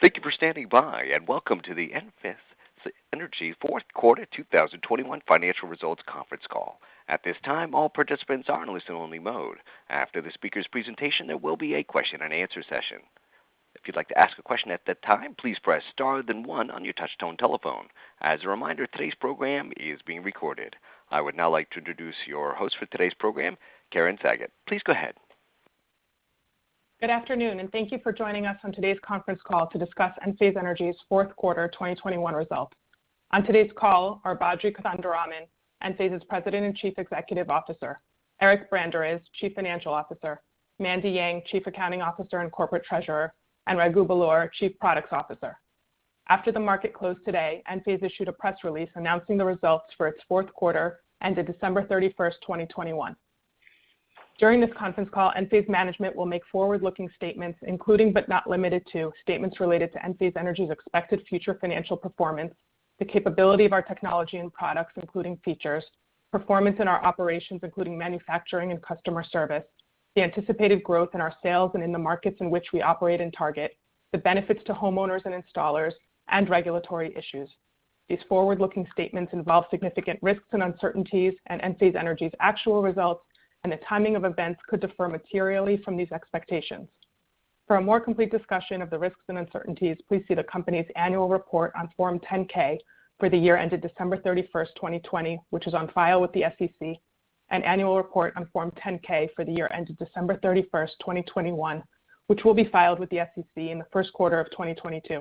Thank you for standing by, and welcome to the Enphase Energy Fourth Quarter 2021 Financial Results Conference Call. At this time, all participants are in listen-only mode. After the speaker's presentation, there will be a question-and-answer session. If you'd like to ask a question at that time, please press star then one on your touchtone telephone. As a reminder, today's program is being recorded. I would now like to introduce your host for today's program, Karen Sagot. Please go ahead. Good afternoon, and thank you for joining us on today's conference call to discuss Enphase Energy's fourth quarter 2021 results. On today's call are Badri Kothandaraman, Enphase's President and Chief Executive Officer, Eric Branderiz, Chief Financial Officer, Mandy Yang, Chief Accounting Officer and Corporate Treasurer, and Raghu Belur, Chief Products Officer. After the market closed today, Enphase issued a press release announcing the results for its fourth quarter ended December 31st, 2021. During this conference call, Enphase management will make forward-looking statements, including, but not limited to, statements related to Enphase Energy's expected future financial performance, the capability of our technology and products, including features, performance in our operations, including manufacturing and customer service, the anticipated growth in our sales and in the markets in which we operate and target, the benefits to homeowners and installers, and regulatory issues. These forward-looking statements involve significant risks and uncertainties, and Enphase Energy's actual results and the timing of events could differ materially from these expectations. For a more complete discussion of the risks and uncertainties, please see the company's annual report on Form 10-K for the year ended December 31st, 2020, which is on file with the SEC, and annual report on Form 10-K for the year ended December 31st, 2021, which will be filed with the SEC in the first quarter of 2022.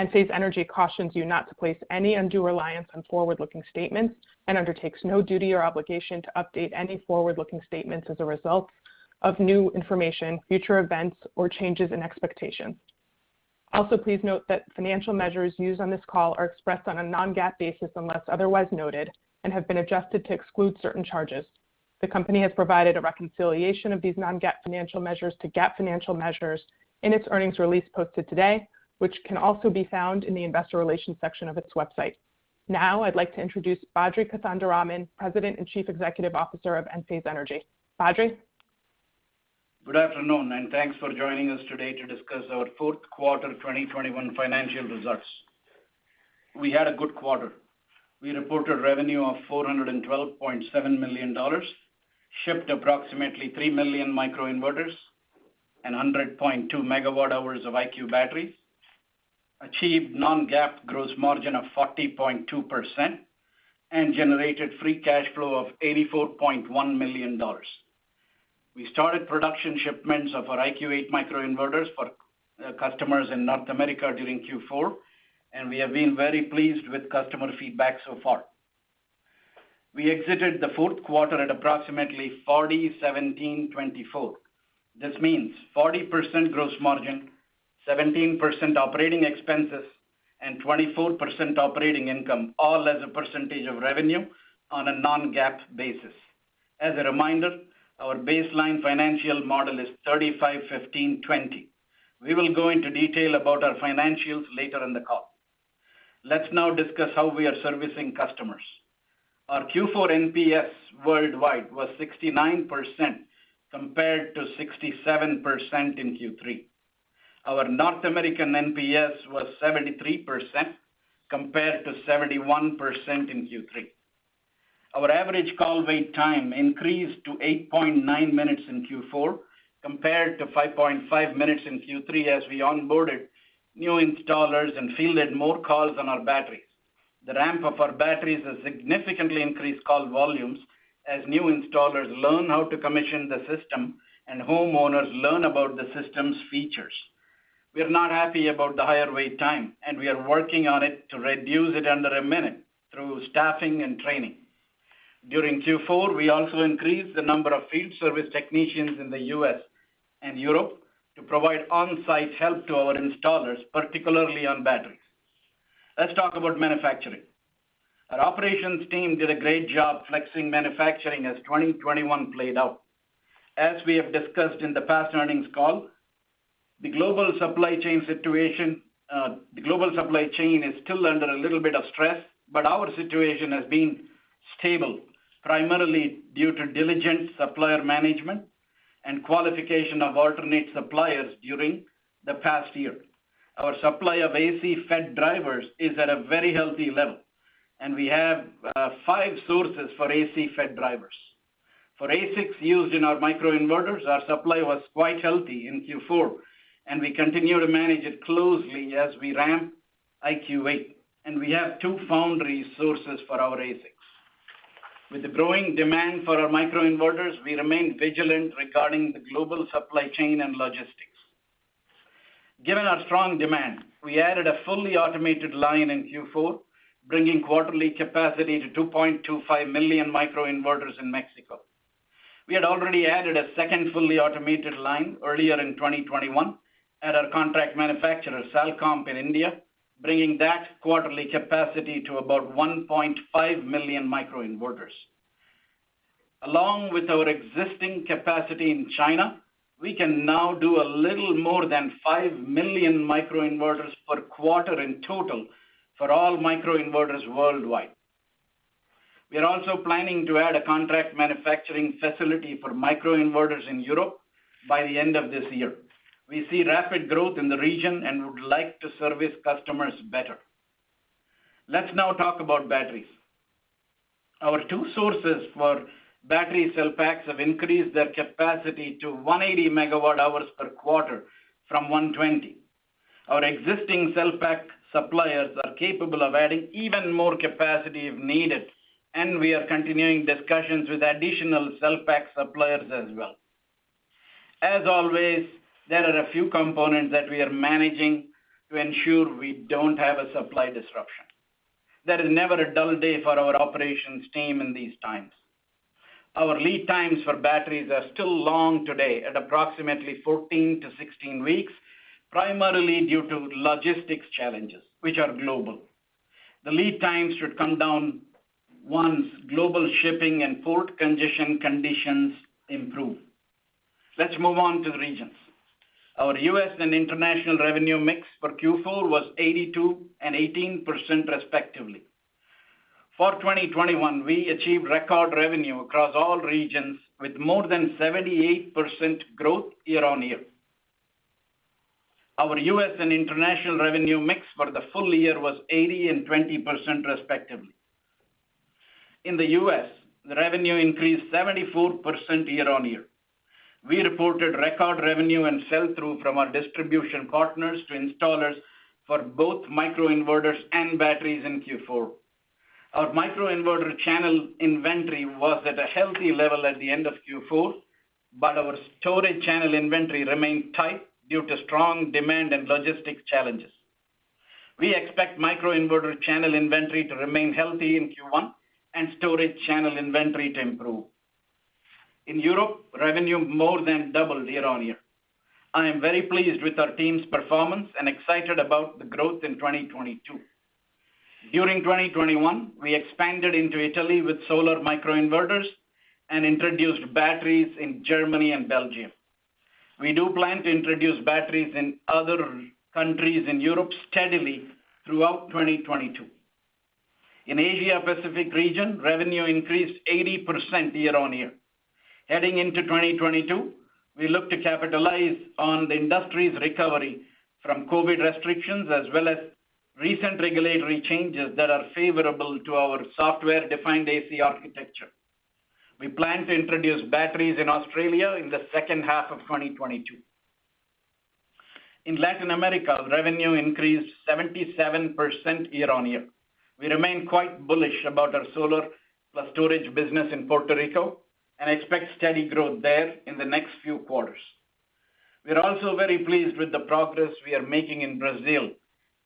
Enphase Energy cautions you not to place any undue reliance on forward-looking statements and undertakes no duty or obligation to update any forward-looking statements as a result of new information, future events, or changes in expectations. Also, please note that financial measures used on this call are expressed on a non-GAAP basis unless otherwise noted and have been adjusted to exclude certain charges. The company has provided a reconciliation of these non-GAAP financial measures to GAAP financial measures in its earnings release posted today, which can also be found in the investor relations section of its website. Now I'd like to introduce Badri Kothandaraman, President and Chief Executive Officer of Enphase Energy. Badri. Good afternoon, and thanks for joining us today to discuss our fourth quarter 2021 financial results. We had a good quarter. We reported revenue of $412.7 million, shipped approximately 3 million microinverters and 100.2 MWh of IQ Batteries, achieved non-GAAP gross margin of 40.2%, and generated free cash flow of $84.1 million. We started production shipments of our IQ8 microinverters for customers in North America during Q4, and we have been very pleased with customer feedback so far. We exited the fourth quarter at approximately 40/17/24. This means 40% gross margin, 17% operating expenses, and 24% operating income, all as a percentage of revenue on a non-GAAP basis. As a reminder, our baseline financial model is 35/15/20. We will go into detail about our financials later in the call. Let's now discuss how we are servicing customers. Our Q4 NPS worldwide was 69% compared to 67% in Q3. Our North American NPS was 73% compared to 71% in Q3. Our average call wait time increased to 8.9 minutes in Q4 compared to 5.5 minutes in Q3 as we onboarded new installers and fielded more calls on our batteries. The ramp of our batteries has significantly increased call volumes as new installers learn how to commission the system and homeowners learn about the system's features. We are not happy about the higher wait time, and we are working on it to reduce it under a minute through staffing and training. During Q4, we also increased the number of field service technicians in the U.S. and Europe to provide on-site help to our installers, particularly on batteries. Let's talk about manufacturing. Our operations team did a great job flexing manufacturing as 2021 played out. As we have discussed in the past earnings call, the global supply chain situation, the global supply chain is still under a little bit of stress, but our situation has been stable, primarily due to diligent supplier management and qualification of alternate suppliers during the past year. Our supply of AC FET drivers is at a very healthy level, and we have five sources for AC FET drivers. For ASICs used in our microinverters, our supply was quite healthy in Q4, and we continue to manage it closely as we ramp IQ8, and we have two foundry sources for our ASICs. With the growing demand for our microinverters, we remain vigilant regarding the global supply chain and logistics. Given our strong demand, we added a fully automated line in Q4, bringing quarterly capacity to 2.25 million microinverters in Mexico. We had already added a second fully automated line earlier in 2021 at our contract manufacturer, Salcomp, in India, bringing that quarterly capacity to about 1.5 million microinverters. Along with our existing capacity in China, we can now do a little more than 5 million microinverters per quarter in total for all microinverters worldwide. We are also planning to add a contract manufacturing facility for microinverters in Europe by the end of this year. We see rapid growth in the region and would like to service customers better. Let's now talk about batteries. Our two sources for battery cell packs have increased their capacity to 180 MWh per quarter from 120. Our existing cell pack suppliers are capable of adding even more capacity if needed, and we are continuing discussions with additional cell pack suppliers as well. As always, there are a few components that we are managing to ensure we don't have a supply disruption. There is never a dull day for our operations team in these times. Our lead times for batteries are still long today at approximately 14-16 weeks, primarily due to logistics challenges, which are global. The lead times should come down once global shipping and port conditions improve. Let's move on to the regions. Our U.S. and international revenue mix for Q4 was 82% and 18% respectively. For 2021, we achieved record revenue across all regions with more than 78% growth year-on-year. Our U.S. and international revenue mix for the full year was 80% and 20% respectively. In the U.S., revenue increased 74% year-over-year. We reported record revenue and sell-through from our distribution partners to installers for both microinverters and batteries in Q4. Our microinverter channel inventory was at a healthy level at the end of Q4, but our storage channel inventory remained tight due to strong demand and logistics challenges. We expect microinverter channel inventory to remain healthy in Q1 and storage channel inventory to improve. In Europe, revenue more than doubled year-over-year. I am very pleased with our team's performance and excited about the growth in 2022. During 2021, we expanded into Italy with solar microinverters and introduced batteries in Germany and Belgium. We do plan to introduce batteries in other countries in Europe steadily throughout 2022. In Asia Pacific region, revenue increased 80% year-over-year. Heading into 2022, we look to capitalize on the industry's recovery from COVID restrictions, as well as recent regulatory changes that are favorable to our software-defined AC architecture. We plan to introduce batteries in Australia in the H2 of 2022. In Latin America, revenue increased 77% year-over-year. We remain quite bullish about our solar plus storage business in Puerto Rico and expect steady growth there in the next few quarters. We're also very pleased with the progress we are making in Brazil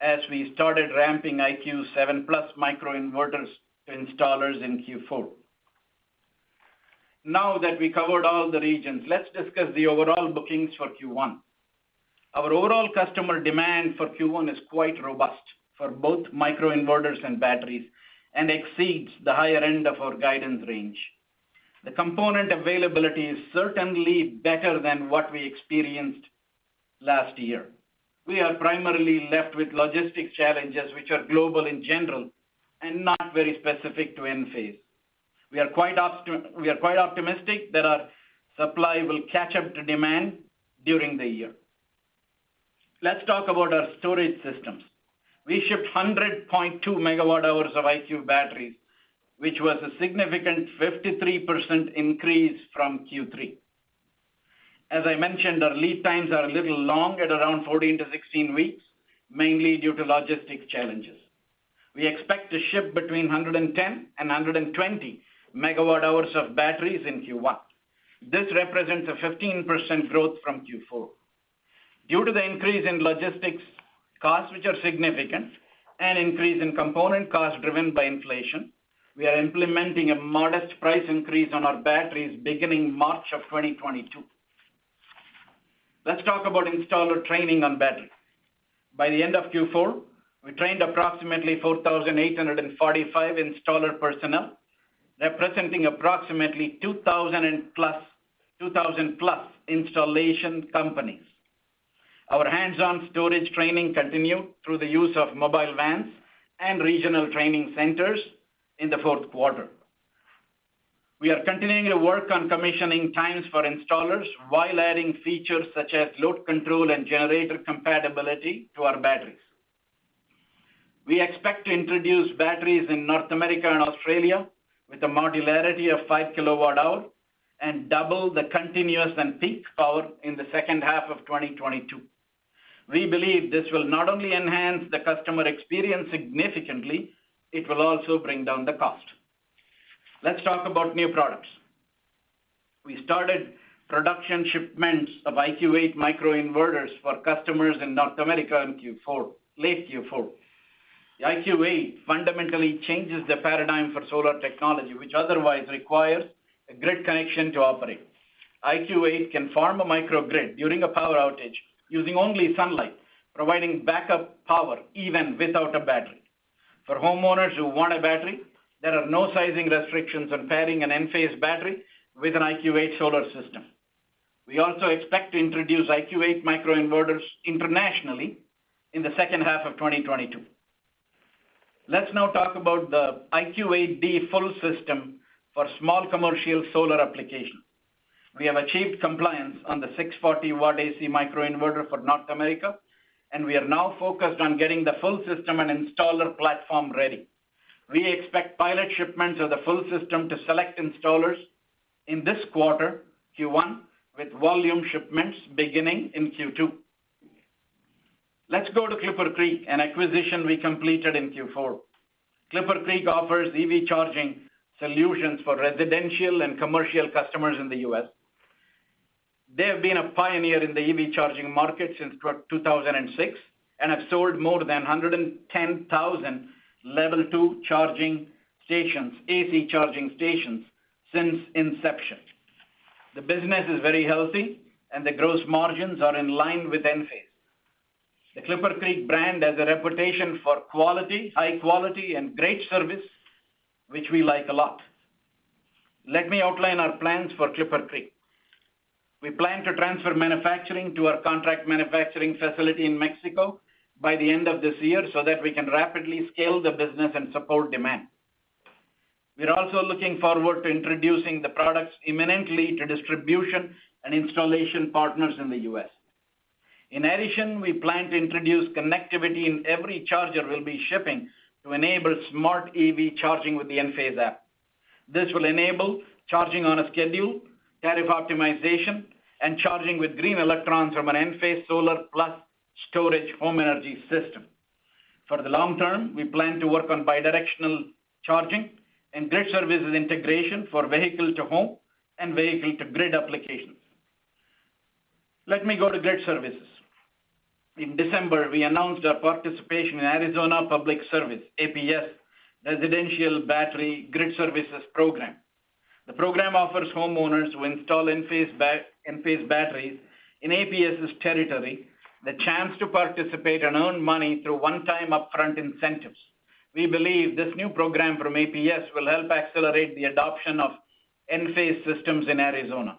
as we started ramping IQ7+ microinverters to installers in Q4. Now that we covered all the regions, let's discuss the overall bookings for Q1. Our overall customer demand for Q1 is quite robust for both microinverters and batteries and exceeds the higher end of our guidance range. The component availability is certainly better than what we experienced last year. We are primarily left with logistics challenges which are global in general and not very specific to Enphase. We are quite optimistic that our supply will catch up to demand during the year. Let's talk about our storage systems. We shipped 100.2 MWh of IQ Batteries, which was a significant 53% increase from Q3. As I mentioned, our lead times are a little long at around 14-16 weeks, mainly due to logistics challenges. We expect to ship between 110 MWh and 120 MWh of batteries in Q1. This represents a 15% growth from Q4. Due to the increase in logistics costs, which are significant, and an increase in component costs driven by inflation, we are implementing a modest price increase on our batteries beginning March 2022. Let's talk about installer training on battery. By the end of Q4, we trained approximately 4,845 installer personnel, representing approximately 2,000+ installation companies. Our hands-on storage training continued through the use of mobile vans and regional training centers in the fourth quarter. We are continuing to work on commissioning times for installers while adding features such as load control and generator compatibility to our batteries. We expect to introduce batteries in North America and Australia with a modularity of 5 kWh and double the continuous and peak power in the H2 of 2022. We believe this will not only enhance the customer experience significantly, it will also bring down the cost. Let's talk about new products. We started production shipments of IQ8 microinverters for customers in North America in Q4, late Q4. The IQ8 fundamentally changes the paradigm for solar technology, which otherwise requires a grid connection to operate. IQ8 can form a microgrid during a power outage using only sunlight, providing backup power even without a battery. For homeowners who want a battery, there are no sizing restrictions on pairing an Enphase battery with an IQ8 solar system. We also expect to introduce IQ8 micro inverters internationally in the H2 of 2022. Let's now talk about the IQ8D full system for small commercial solar application. We have achieved compliance on the 640 W AC micro inverter for North America, and we are now focused on getting the full system and installer platform ready. We expect pilot shipments of the full system to select installers in this quarter, Q1, with volume shipments beginning in Q2. Let's go to ClipperCreek, an acquisition we completed in Q4. ClipperCreek offers EV charging solutions for residential and commercial customers in the U.S. They have been a pioneer in the EV charging market since 2006 and have sold more than 110,000 Level 2 charging stations, AC charging stations since inception. The business is very healthy and the gross margins are in line with Enphase. The ClipperCreek brand has a reputation for quality, high quality and great service, which we like a lot. Let me outline our plans for ClipperCreek. We plan to transfer manufacturing to our contract manufacturing facility in Mexico by the end of this year so that we can rapidly scale the business and support demand. We're also looking forward to introducing the products imminently to distribution and installation partners in the U.S. In addition, we plan to introduce connectivity in every charger we'll be shipping to enable smart EV charging with the Enphase app. This will enable charging on a schedule, tariff optimization, and charging with green electrons from an Enphase solar plus storage home energy system. For the long term, we plan to work on bidirectional charging and grid services integration for vehicle-to-home and vehicle-to-grid applications. Let me go to grid services. In December, we announced our participation in Arizona Public Service, APS, residential battery grid services program. The program offers homeowners who install Enphase batteries in APS' territory, the chance to participate and earn money through one-time upfront incentives. We believe this new program from APS will help accelerate the adoption of Enphase systems in Arizona.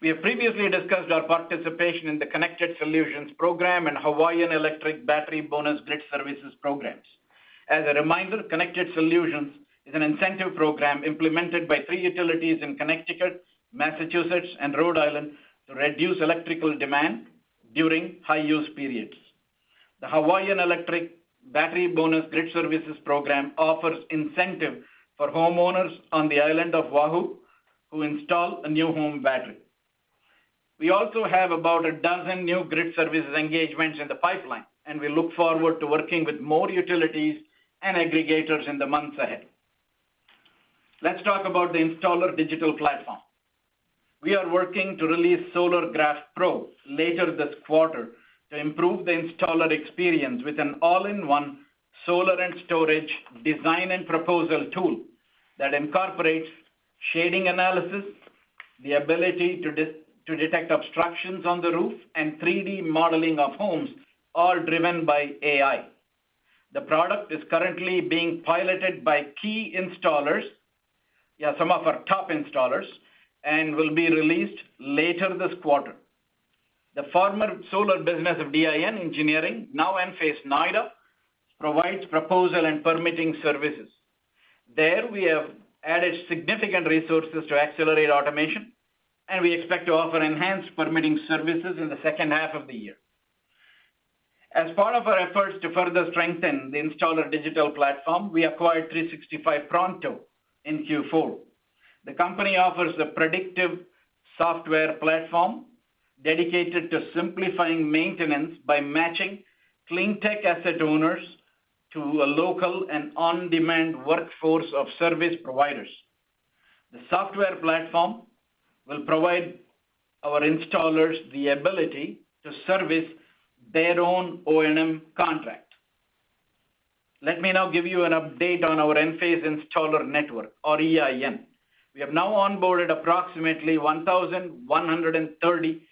We have previously discussed our participation in the ConnectedSolutions program and Hawaiian Electric battery bonus grid services programs. As a reminder, ConnectedSolutions is an incentive program implemented by three utilities in Connecticut, Massachusetts and Rhode Island to reduce electrical demand during high use periods. The Hawaiian Electric battery bonus grid services program offers incentive for homeowners on the island of Oahu who install a new home battery. We also have about a dozen new grid services engagements in the pipeline, and we look forward to working with more utilities and aggregators in the months ahead. Let's talk about the installer digital platform. We are working to release Solargraf Pro later this quarter to improve the installer experience with an all-in-one solar and storage design and proposal tool that incorporates shading analysis, the ability to detect obstructions on the roof, and 3D modeling of homes, all driven by AI. The product is currently being piloted by key installers. Yeah, some of our top installers, and will be released later this quarter. The former solar business of DIN Engineering, now Enphase Noida, provides proposal and permitting services. There, we have added significant resources to accelerate automation, and we expect to offer enhanced permitting services in the H2 of the year. As part of our efforts to further strengthen the installer digital platform, we acquired 365 Pronto in Q4. The company offers a predictive software platform dedicated to simplifying maintenance by matching cleantech asset owners to a local and on-demand workforce of service providers. The software platform will provide our installers the ability to service their own O&M contract. Let me now give you an update on our Enphase Installer Network or EIN. We have now onboarded approximately 1,130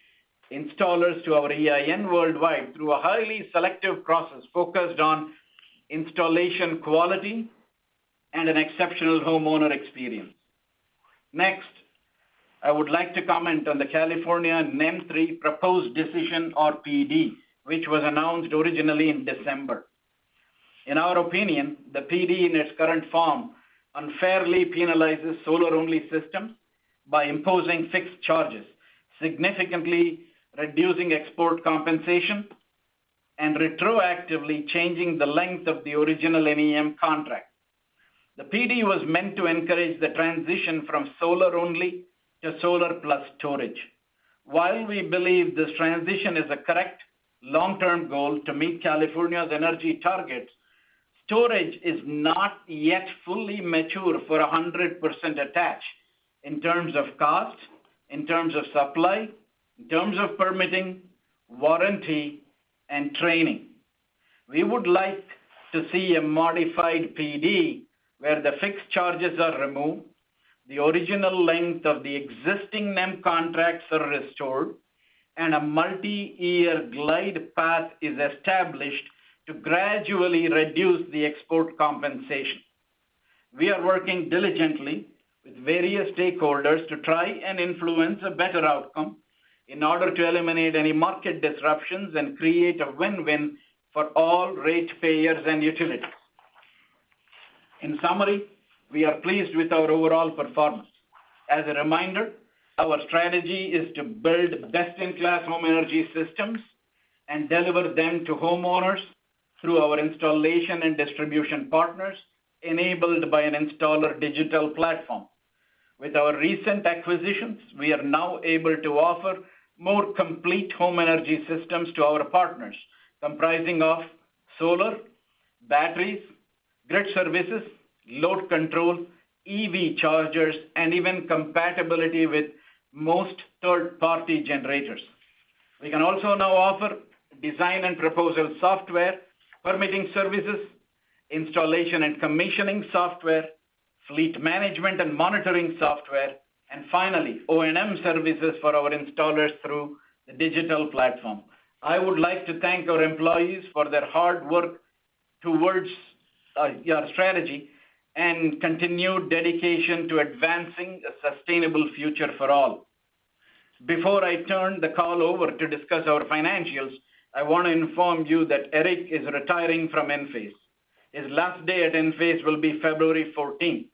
installers to our EIN worldwide through a highly selective process focused on installation quality and an exceptional homeowner experience. Next, I would like to comment on the California NEM 3.0 proposed decision or PD, which was announced originally in December. In our opinion, the PD in its current form unfairly penalizes solar-only systems by imposing fixed charges, significantly reducing export compensation and retroactively changing the length of the original NEM contract. The PD was meant to encourage the transition from solar only to solar plus storage. While we believe this transition is a correct long-term goal to meet California's energy targets, storage is not yet fully mature for 100% attached in terms of cost, in terms of supply, in terms of permitting, warranty and training. We would like to see a modified PD where the fixed charges are removed, the original length of the existing NEM contracts are restored, and a multi-year glide path is established to gradually reduce the export compensation. We are working diligently with various stakeholders to try and influence a better outcome in order to eliminate any market disruptions and create a win-win for all rate payers and utilities. In summary, we are pleased with our overall performance. As a reminder, our strategy is to build best-in-class home energy systems and deliver them to homeowners through our installation and distribution partners, enabled by an installer digital platform. With our recent acquisitions, we are now able to offer more complete home energy systems to our partners, comprising of solar, batteries, grid services, load control, EV chargers, and even compatibility with most third-party generators. We can also now offer design and proposal software, permitting services, installation and commissioning software, fleet management and monitoring software, and finally, O&M services for our installers through the digital platform. I would like to thank our employees for their hard work towards our strategy and continued dedication to advancing a sustainable future for all. Before I turn the call over to discuss our financials, I want to inform you that Eric Branderiz is retiring from Enphase. His last day at Enphase will be February 14th.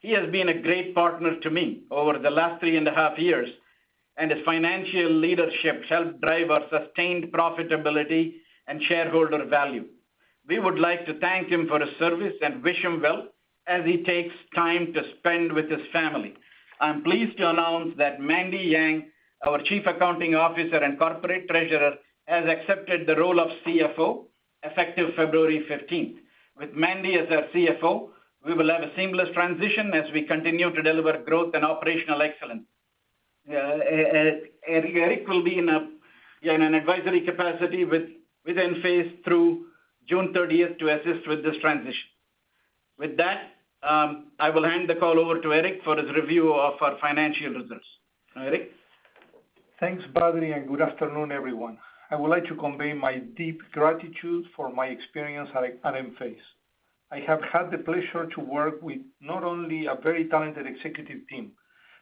He has been a great partner to me over the last three and a half years, and his financial leadership helped drive our sustained profitability and shareholder value. We would like to thank him for his service and wish him well as he takes time to spend with his family. I'm pleased to announce that Mandy Yang, our Chief Accounting Officer and Corporate Treasurer, has accepted the role of CFO effective February 15th. With Mandy as our CFO, we will have a seamless transition as we continue to deliver growth and operational excellence. Eric will be in an advisory capacity with Enphase through June 30th to assist with this transition. With that, I will hand the call over to Eric for his review of our financial results. Eric? Thanks Badri and good afternoon everyone. I would like to convey my deep gratitude for my experience at Enphase. I have had the pleasure to work with not only a very talented executive team,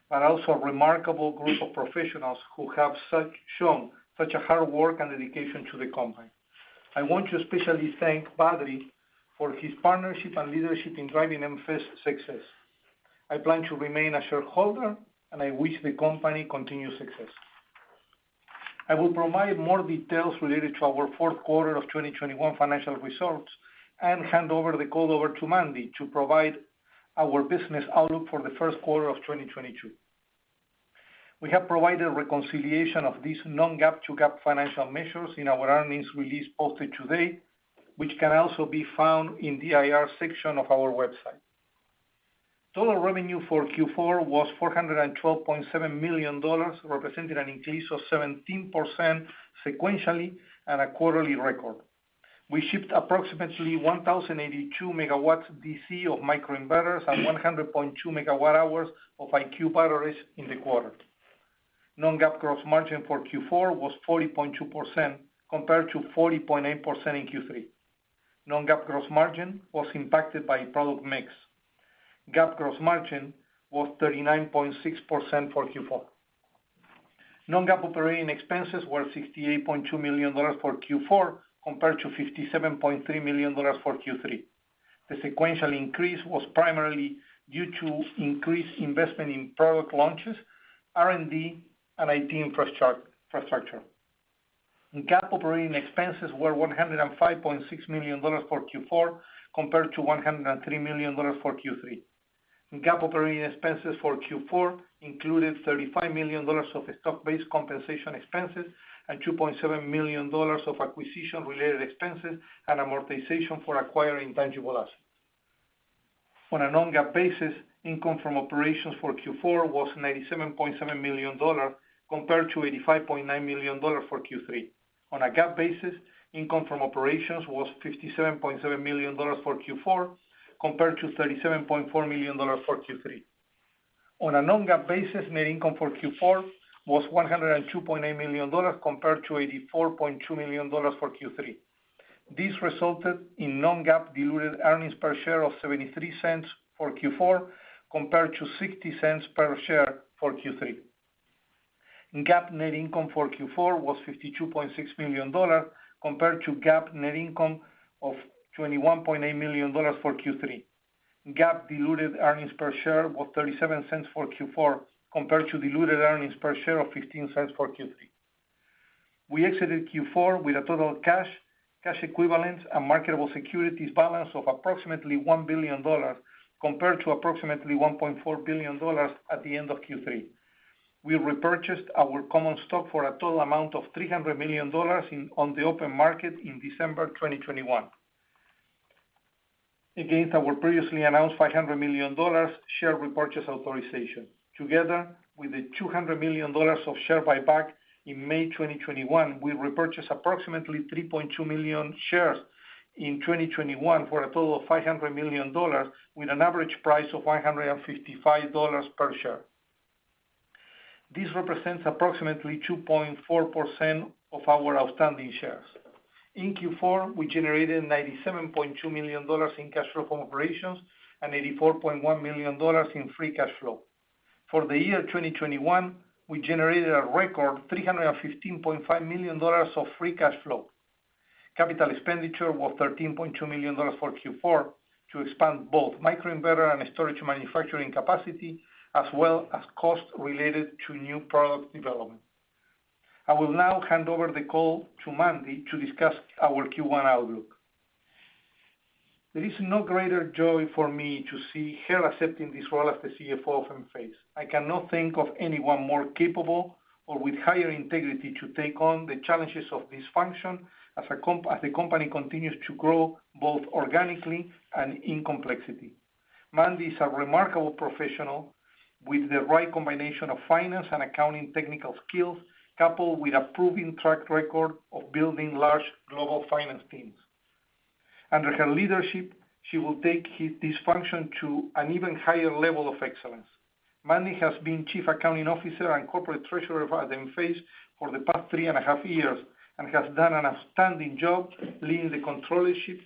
but also a remarkable group of professionals who have shown such a hard work and dedication to the company. I want to especially thank Badri for his partnership and leadership in driving Enphase success. I plan to remain a shareholder, and I wish the company continued success. I will provide more details related to our fourth quarter of 2021 financial results and hand over the call to Mandy to provide our business outlook for the first quarter of 2022. We have provided reconciliation of these non-GAAP to GAAP financial measures in our earnings release posted today, which can also be found in the IR section of our website. Total revenue for Q4 was $412.7 million, representing an increase of 17% sequentially and a quarterly record. We shipped approximately 1,082 MW DC of microinverters and 100.2 MWh of IQ Batteries in the quarter. Non-GAAP gross margin for Q4 was 40.2% compared to 40.8% in Q3. Non-GAAP gross margin was impacted by product mix. GAAP gross margin was 39.6% for Q4. Non-GAAP operating expenses were $68.2 million for Q4 compared to $57.3 million for Q3. The sequential increase was primarily due to increased investment in product launches, R&D, and IT infrastructure. GAAP operating expenses were $105.6 million for Q4 compared to $103 million for Q3. GAAP operating expenses for Q4 included $35 million of stock-based compensation expenses and $2.7 million of acquisition-related expenses and amortization for acquiring tangible assets. On a non-GAAP basis, income from operations for Q4 was $97.7 million compared to $85.9 million for Q3. On a GAAP basis, income from operations was $57.7 million for Q4 compared to $37.4 million for Q3. On a non-GAAP basis, net income for Q4 was $102.8 million compared to $84.2 million for Q3. This resulted in non-GAAP diluted earnings per share of $0.73 for Q4 compared to $0.60 per share for Q3. GAAP net income for Q4 was $52.6 million compared to GAAP net income of $21.8 million for Q3. GAAP diluted earnings per share was $0.37 for Q4 compared to diluted earnings per share of $0.15 for Q3. We exited Q4 with a total cash equivalents, and marketable securities balance of approximately $1 billion compared to approximately $1.4 billion at the end of Q3. We repurchased our common stock for a total amount of $300 million in on the open market in December 2021. Against our previously announced $500 million share repurchase authorization, together with the $200 million of share buyback in May 2021, we repurchased approximately $3.2 million shares in 2021 for a total of $500 million with an average price of $155 per share. This represents approximately 2.4% of our outstanding shares. In Q4, we generated $97.2 million in cash flow from operations and $84.1 million in free cash flow. For the year 2021, we generated a record $315.5 million of free cash flow. Capital expenditure was $13.2 million for Q4 to expand both microinverter and storage manufacturing capacity, as well as costs related to new product development. I will now hand over the call to Mandy to discuss our Q1 outlook. There is no greater joy for me to see her accepting this role as the CFO of Enphase. I cannot think of anyone more capable or with higher integrity to take on the challenges of this function as the company continues to grow both organically and in complexity. Mandy is a remarkable professional with the right combination of finance and accounting technical skills, coupled with a proven track record of building large global finance teams. Under her leadership, she will take this function to an even higher level of excellence. Mandy has been Chief Accounting Officer and Corporate Treasurer of Enphase for the past three and a half years and has done an outstanding job leading the controllership,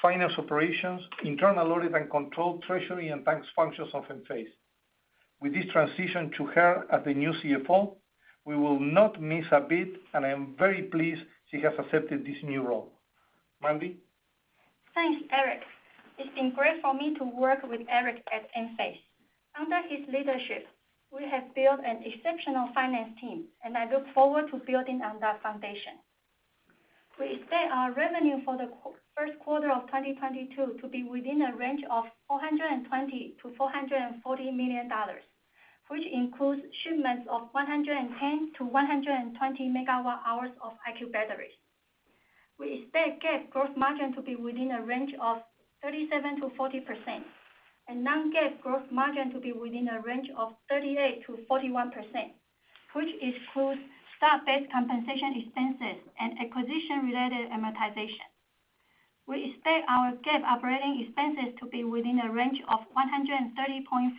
finance operations, internal audit and control, treasury, and banks functions of Enphase. With this transition to her as the new CFO, we will not miss a bit, and I am very pleased she has accepted this new role. Mandy? Thanks, Eric. It's been great for me to work with Eric at Enphase. Under his leadership, we have built an exceptional finance team, and I look forward to building on that foundation. We expect our revenue for the first quarter of 2022 to be within a range of $420 million-$440 million, which includes shipments of 110-120 MWh of IQ Batteries. We expect GAAP gross margin to be within a range of 37%-40% and non-GAAP gross margin to be within a range of 38%-41%, which includes stock-based compensation expenses and acquisition-related amortization. We expect our GAAP operating expenses to be within a range of $130.5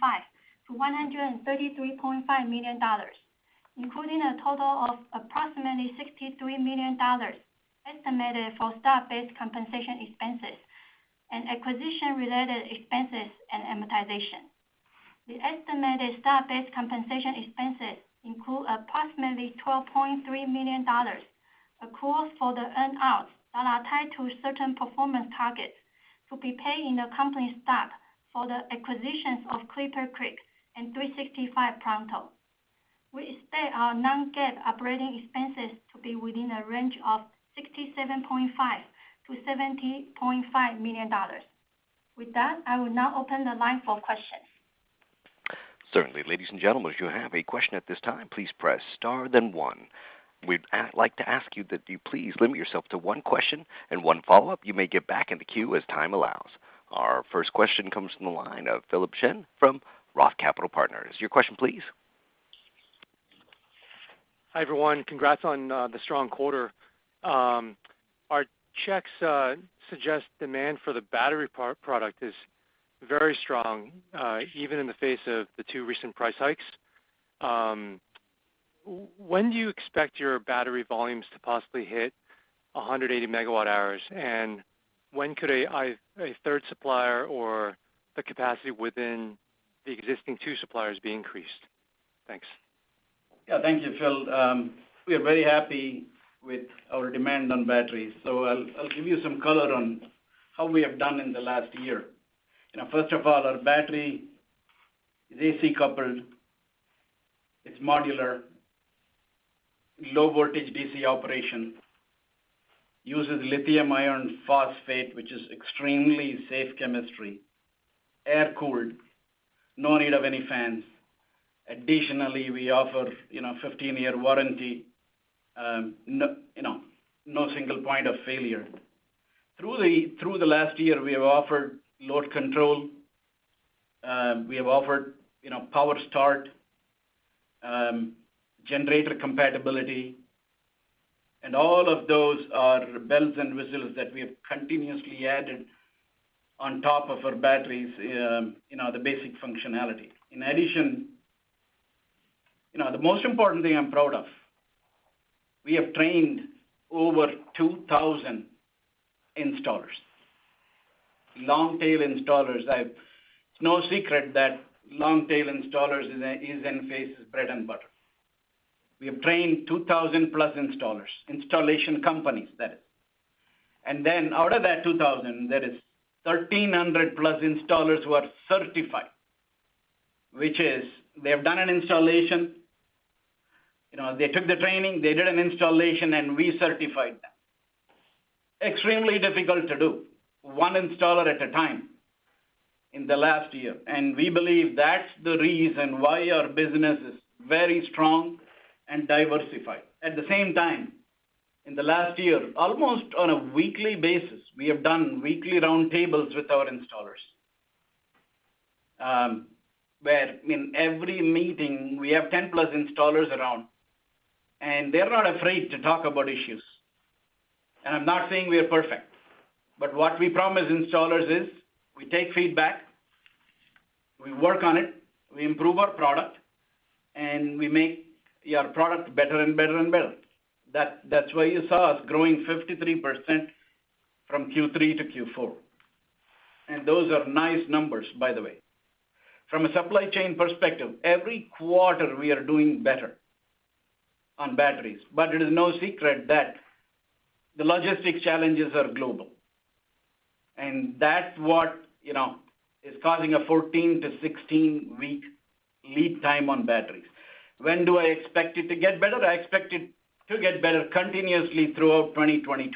million-$133.5 million, including a total of approximately $63 million estimated for stock-based compensation expenses and acquisition related expenses and amortization. The estimated stock-based compensation expenses include approximately $12.3 million, accruals for the earn outs that are tied to certain performance targets to be paid in the company's stock for the acquisitions of ClipperCreek and 365 Pronto. We expect our non-GAAP operating expenses to be within a range of $67.5 million-$70.5 million. With that, I will now open the line for questions. Certainly. Ladies and gentlemen, if you have a question at this time, please press star then one. We'd like to ask you that you please limit yourself to one question and one follow-up. You may get back in the queue as time allows. Our first question comes from the line of Philip Shen from Roth Capital Partners. Your question please. Hi, everyone. Congrats on the strong quarter. Our checks suggest demand for the battery product is very strong, even in the face of the two recent price hikes. When do you expect your battery volumes to possibly hit 180 MWh? When could a third supplier or the capacity within the existing two supplers be increased? Thanks. Yeah, thank you Philip. We are very happy with our demand on batteries. I'll give you some color on how we have done in the last year. You know, first of all, our battery is AC coupled, it's modular, low voltage DC operation, uses lithium iron phosphate, which is extremely safe chemistry, air cooled, no need of any fans. Additionally, we offer, you know, 15-year warranty, you know, no single point of failure. Through the last year, we have offered load control, we have offered, you know, power start, generator compatibility, and all of those are bells and whistles that we have continuously added on top of our batteries, you know, the basic functionality. In addition, you know, the most important thing I'm proud of, we have trained over 2,000 installers, long-tail installers. It's no secret that long-tail installers is Enphase's bread and butter. We have trained 2,000+ installers, installation companies that is. Then out of that 2,000, there is 1,300+ installers who are certified, which is they have done an installation, you know, they took the training, they did an installation, and we certified them. It's extremely difficult to do one installer at a time in the last year. We believe that's the reason why our business is very strong and diversified. At the same time, in the last year, almost on a weekly basis, we have done weekly roundtables with our installers, where in every meeting we have 10+ installers around, and they're not afraid to talk about issues. I'm not saying we are perfect, but what we promise installers is we take feedback, we work on it, we improve our product, and we make our product better and better and better. That, that's why you saw us growing 53% from Q3-Q4. Those are nice numbers, by the way. From a supply chain perspective, every quarter we are doing better on batteries. It is no secret that the logistics challenges are global. That's what, you know, is causing a 14-16-week lead time on batteries. When do I expect it to get better? I expect it to get better continuously throughout 2022.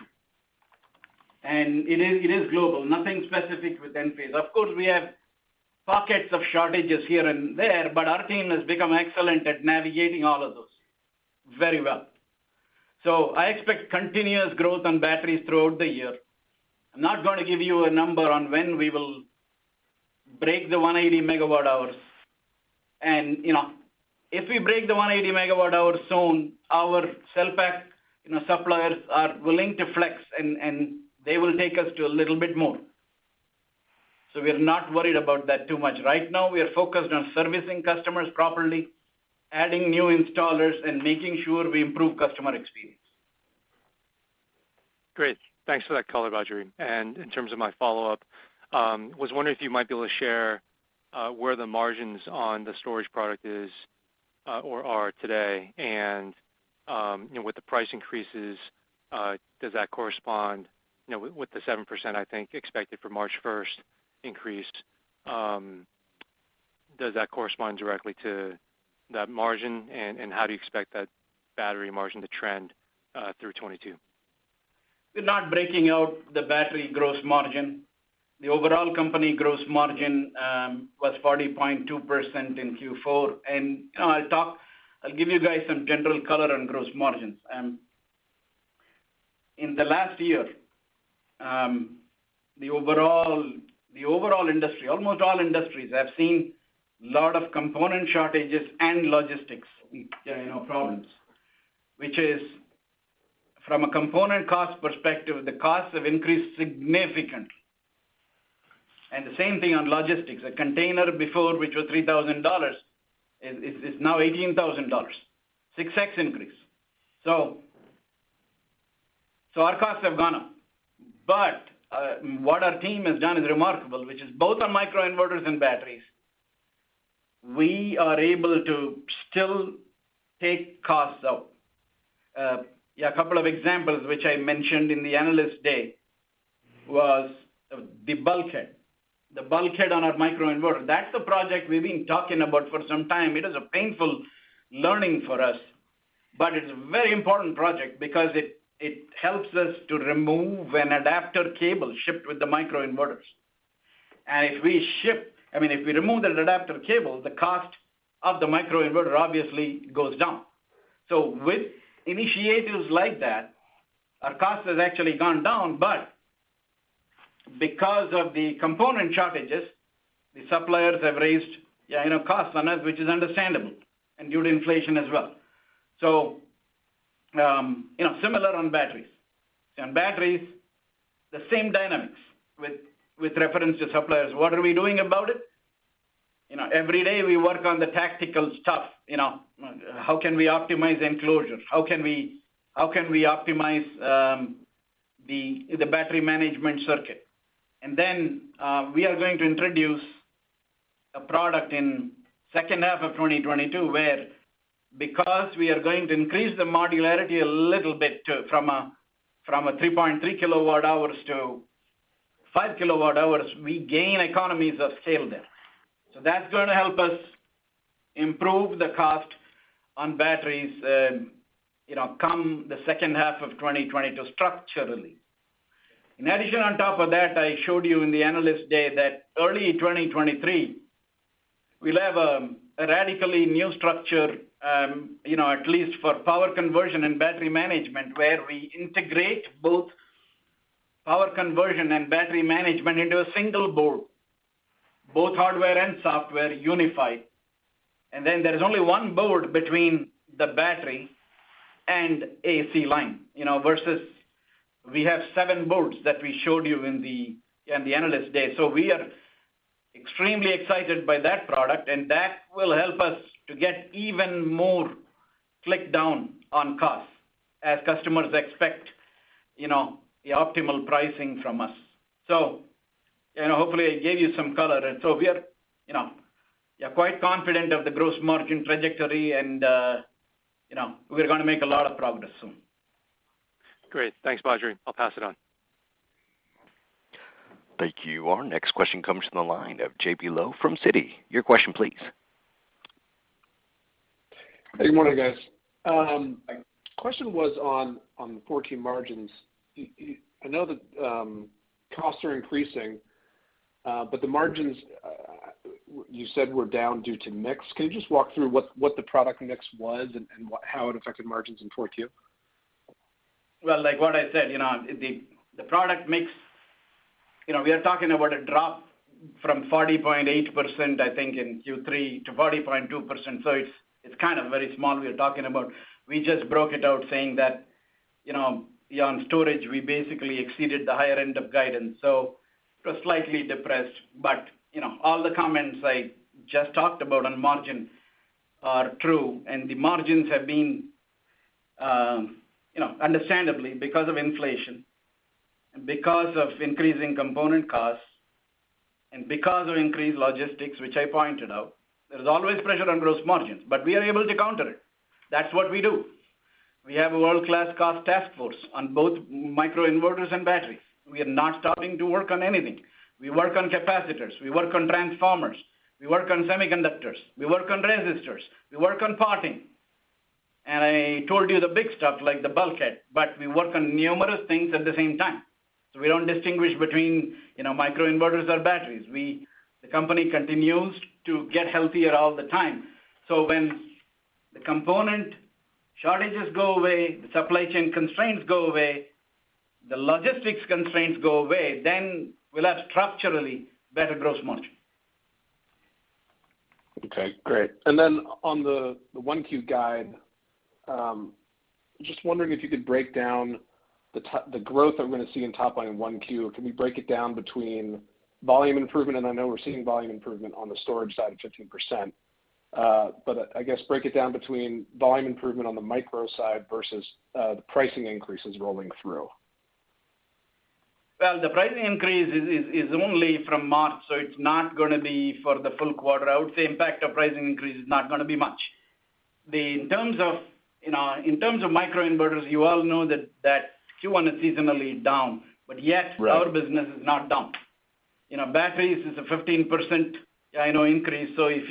It is, it is global. Nothing specific with Enphase. Of course, we have pockets of shortages here and there, but our team has become excellent at navigating all of those very well. I expect continuous growth on batteries throughout the year. I'm not gonna give you a number on when we will break the 180 MWh. You know, if we break the 180 MWh soon, our cell pack, you know, suppliers are willing to flex and they will take us to a little bit more. We are not worried about that too much. Right now, we are focused on servicing customers properly, adding new installers, and making sure we improve customer experience. Great. Thanks for that color, Badri. In terms of my follow-up, I was wondering if you might be able to share where the margins on the storage product is or are today. You know, with the price increases, does that correspond with the 7%, I think, expected for March first increase? Does that correspond directly to that margin? How do you expect that battery margin to trend through 2022? We're not breaking out the battery gross margin. The overall company gross margin was 40.2% in Q4. You know, I'll give you guys some general color on gross margins. In the last year, the overall industry, almost all industries have seen lot of component shortages and logistics, you know, problems, which is from a component cost perspective, the costs have increased significantly. The same thing on logistics. A container before, which was $3,000 is now $18,000, 6x increase. Our costs have gone up. What our team has done is remarkable, which is both on microinverters and batteries. We are able to still take costs out. A couple of examples which I mentioned in the Analyst Day was the bulkhead. The bulkhead on our microinverter. That's the project we've been talking about for some time. It is a painful learning for us, but it's a very important project because it helps us to remove an adapter cable shipped with the microinverters. If we remove that adapter cable, the cost of the microinverter obviously goes down. With initiatives like that, our cost has actually gone down. Because of the component shortages, the suppliers have raised, yeah, you know, costs on us, which is understandable and due to inflation as well. You know, similar on batteries. On batteries, the same dynamics with reference to suppliers. What are we doing about it? You know, every day, we work on the tactical stuff, you know. How can we optimize the enclosure? How can we optimize the battery management circuit? We are going to introduce a product in H2 of 2022, where because we are going to increase the modularity a little bit to from a 3.3 kWh-5 kWh, we gain economies of scale there. That's gonna help us improve the cost on batteries, you know, come the H2 of 2022 structurally. In addition, on top of that, I showed you in the Analyst Day that early 2023, we'll have a radically new structure, you know, at least for power conversion and battery management, where we integrate both power conversion and battery management into a single board, both hardware and software unified. There is only one board between the battery and AC line, you know, versus we have seven boards that we showed you in the Analyst Day. We are extremely excited by that product, and that will help us to get even more cut down on costs as customers expect, you know, the optimal pricing from us. You know, hopefully, I gave you some color. We are, you know, yeah, quite confident of the gross margin trajectory and, you know, we're gonna make a lot of progress soon. Great. Thanks, Badri. I'll pass it on. Thank you. Our next question comes from the line of JP Lowe from Citi. Your question please. Good morning, guys. Question was on the 4Q margins. I know that costs are increasing, but the margins you said were down due to mix. Can you just walk through what the product mix was and how it affected margins in 4Q? Well, like what I said, you know, the product mix. You know, we are talking about a drop from 40.8%, I think, in Q3 to 40.2%. So it's kind of very small we are talking about. We just broke it out saying that, you know, beyond storage, we basically exceeded the higher end of guidance, so we're slightly depressed. But, you know, all the comments I just talked about on margins are true, and the margins have been, you know, understandably because of inflation, because of increasing component costs, and because of increased logistics, which I pointed out, there's always pressure on gross margins, but we are able to counter it. That's what we do. We have a world-class cost task force on both microinverters and batteries. We are not stopping to work on anything. We work on capacitors, we work on transformers, we work on semiconductors, we work on resistors, we work on parting. I told you the big stuff like the bulkhead, but we work on numerous things at the same time. We don't distinguish between, you know, microinverters or batteries. The company continues to get healthier all the time. When the component shortages go away, the supply chain constraints go away, the logistics constraints go away, then we'll have structurally better gross margin. Okay, great. Then on the 1Q guide, just wondering if you could break down the growth that we're gonna see in top line 1Q. Can we break it down between volume improvement, and I know we're seeing volume improvement on the storage side of 15%. But I guess break it down between volume improvement on the micro side versus the pricing increases rolling through. Well, the pricing increase is only from March, so it's not gonna be for the full quarter. I would say impact of pricing increase is not gonna be much. In terms of, you know, in terms of microinverters, you all know that Q1 is seasonally down, but yet. Right. Our business is not down. You know, batteries is a 15%, I know, increase. If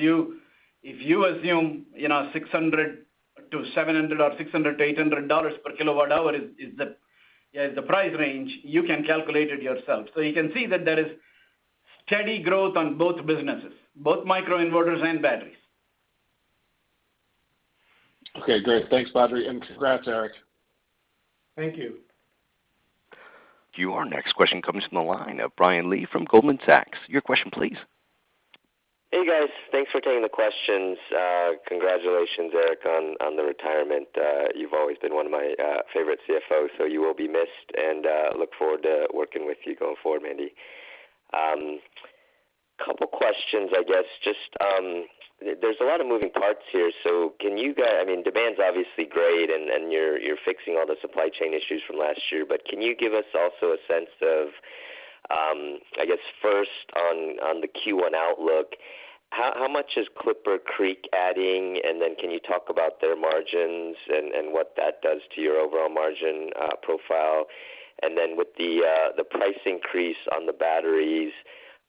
you assume, you know, $600-$700 or $600-$800 per kWh is the price range, you can calculate it yourself. You can see that there is steady growth on both businesses, both microinverters and batteries. Okay, great. Thanks Badri and congrats, Eric. Thank you. Now our next question comes from the line of Brian Lee from Goldman Sachs. Your question, please. Hey, guys. Thanks for taking the questions. Congratulations Eric on the retirement. You've always been one of my favorite CFOs, so you will be missed, and I look forward to working with you going forward, Mandy. Couple questions, I guess. Just, there's a lot of moving parts here, so I mean, demand's obviously great and you're fixing all the supply chain issues from last year, but can you give us also a sense of, I guess first on the Q1 outlook, how much is ClipperCreek adding? And then can you talk about their margins and what that does to your overall margin profile? And then with the price increase on the batteries,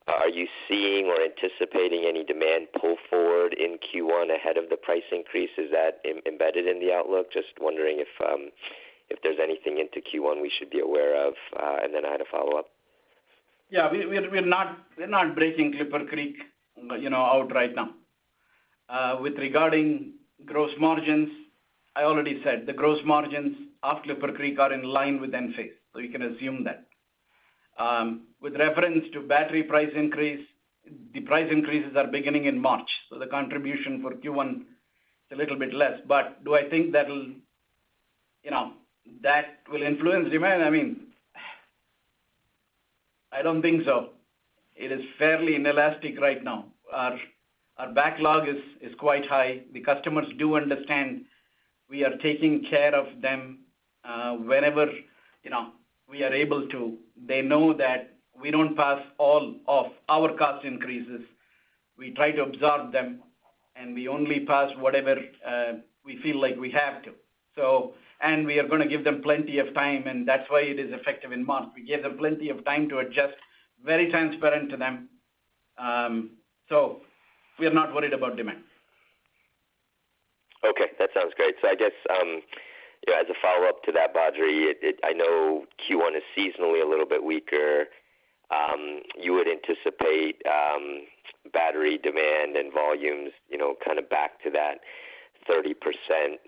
are you seeing or anticipating any demand pull forward in Q1 ahead of the price increase? Is that embedded in the outlook? Just wondering if there's anything into Q1 we should be aware of, and then I had a follow-up. Yeah. We're not breaking ClipperCreek out right now. Regarding gross margins, I already said the gross margins of ClipperCreek are in line with Enphase, so you can assume that. With reference to battery price increase, the price increases are beginning in March, so the contribution for Q1 is a little bit less. But do I think that'll influence demand? I mean, I don't think so. It is fairly inelastic right now. Our backlog is quite high. The customers do understand we are taking care of them whenever, you know, we are able to. They know that we don't pass all of our cost increases. We try to absorb them, and we only pass whatever we feel like we have to. We are gonna give them plenty of time, and that's why it is effective in March. We give them plenty of time to adjust, very transparent to them. We are not worried about demand. Okay, that sounds great. I guess, you know, as a follow-up to that, Badri, I know Q1 is seasonally a little bit weaker. You would anticipate battery demand and volumes, you know, kinda back to that 30%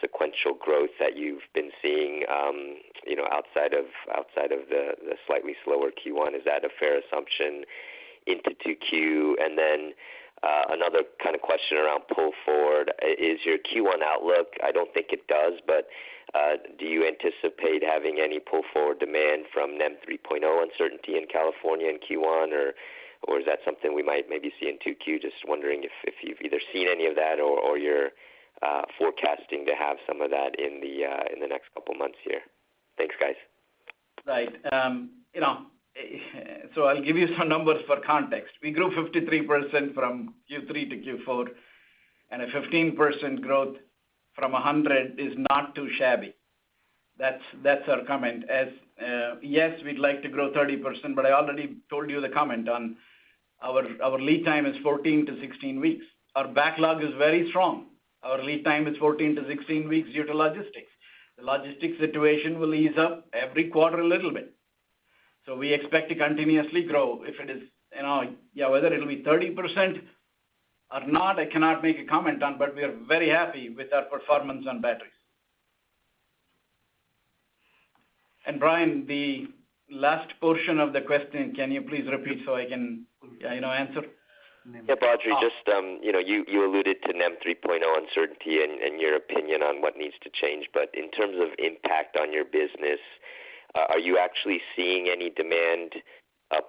sequential growth that you've been seeing, you know, outside of the slightly slower Q1, is that a fair assumption into 2Q? And then, another kind of question around pull forward. Is your Q1 outlook, I don't think it does, but, do you anticipate having any pull-forward demand from NEM 3.0 uncertainty in California in Q1, or is that something we might maybe see in 2Q? Just wondering if you've either seen any of that or you're forecasting to have some of that in the next couple months here. Thanks, guys. Right. You know, so I'll give you some numbers for context. We grew 53% from Q3-Q4, and a 15% growth from 100 is not too shabby. That's our comment. Yes, we'd like to grow 30%, but I already told you the comment on our lead time is 14-16 weeks. Our backlog is very strong. Our lead time is 14-16 weeks due to logistics. The logistics situation will ease up every quarter a little bit. We expect to continuously grow. If it is, you know, yeah, whether it'll be 30% or not, I cannot make a comment on, but we are very happy with our performance on batteries. Brian, the last portion of the question, can you please repeat so I can, you know, answer? Yeah, Badri, just you know, you alluded to NEM 3.0 uncertainty and your opinion on what needs to change. In terms of impact on your business, are you actually seeing any demand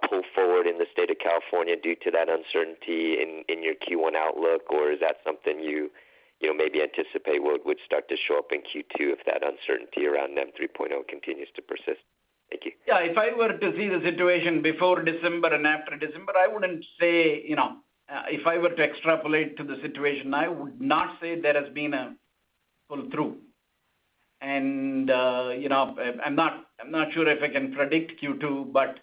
pull forward in the state of California due to that uncertainty in your Q1 outlook? Or is that something you know, maybe anticipate would start to show up in Q2 if that uncertainty around NEM 3.0 continues to persist? Thank you. Yeah. If I were to see the situation before December and after December, I wouldn't say, you know. If I were to extrapolate to the situation, I would not say there has been a pull-through. I'm not sure if I can predict Q2, but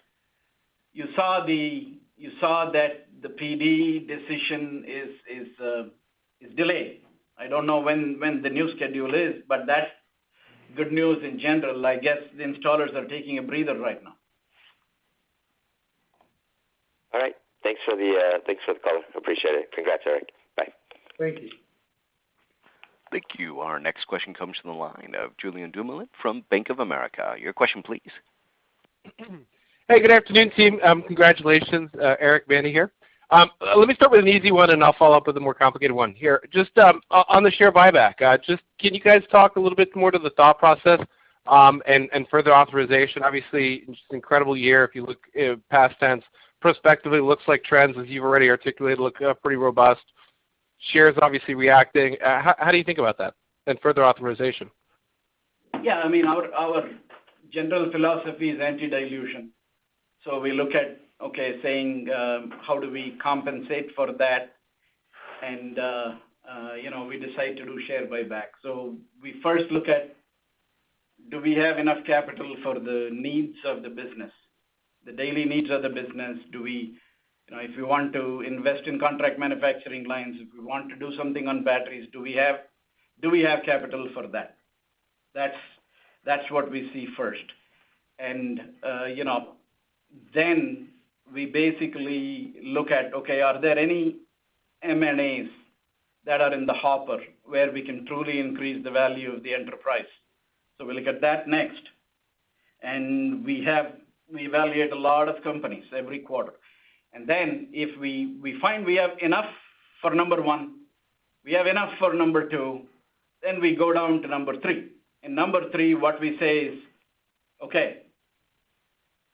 you saw that the PD decision is delayed. I don't know when the new schedule is, but that's good news in general. I guess the installers are taking a breather right now. All right. Thanks for the call. Appreciate it. Congrats Eric. Bye. Thank you. Thank you. Our next question comes from the line of Julien Dumoulin-Smith from Bank of America. Your question, please. Hey, good afternoon, team. Congratulations, Eric Branderiz. Let me start with an easy one, and I'll follow up with a more complicated one here. Just, on the share buyback, just can you guys talk a little bit more to the thought process, and further authorization? Obviously, just incredible year if you look in past tense. Prospectively, it looks like trends, as you've already articulated, look pretty robust. Shares obviously reacting. How do you think about that and further authorization? Yeah, I mean, our general philosophy is anti-dilution. We look at okay how do we compensate for that? You know, we decide to do share buyback. We first look at do we have enough capital for the needs of the business, the daily needs of the business? Do we, you know, if we want to invest in contract manufacturing lines, if we want to do something on batteries, do we have capital for that? That's what we see first. You know, we basically look at okay are there any M&As that are in the hopper where we can truly increase the value of the enterprise? We look at that next. We evaluate a lot of companies every quarter. If we find we have enough for number one, we have enough for number two, then we go down to number three. Number three, what we say is, okay,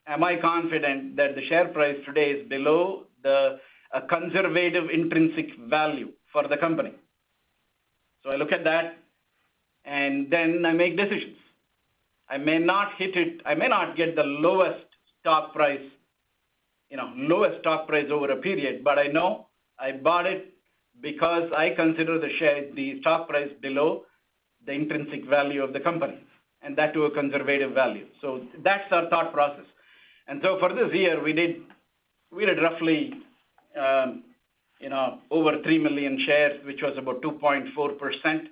am I confident that the share price today is below the conservative intrinsic value for the company? I look at that, and then I make decisions. I may not hit it. I may not get the lowest stock price, you know, over a period, but I know I bought it because I consider the stock price below the intrinsic value of the company, and that to a conservative value. That's our thought process. For this year, we did roughly over 3 million shares, which was about 2.4%.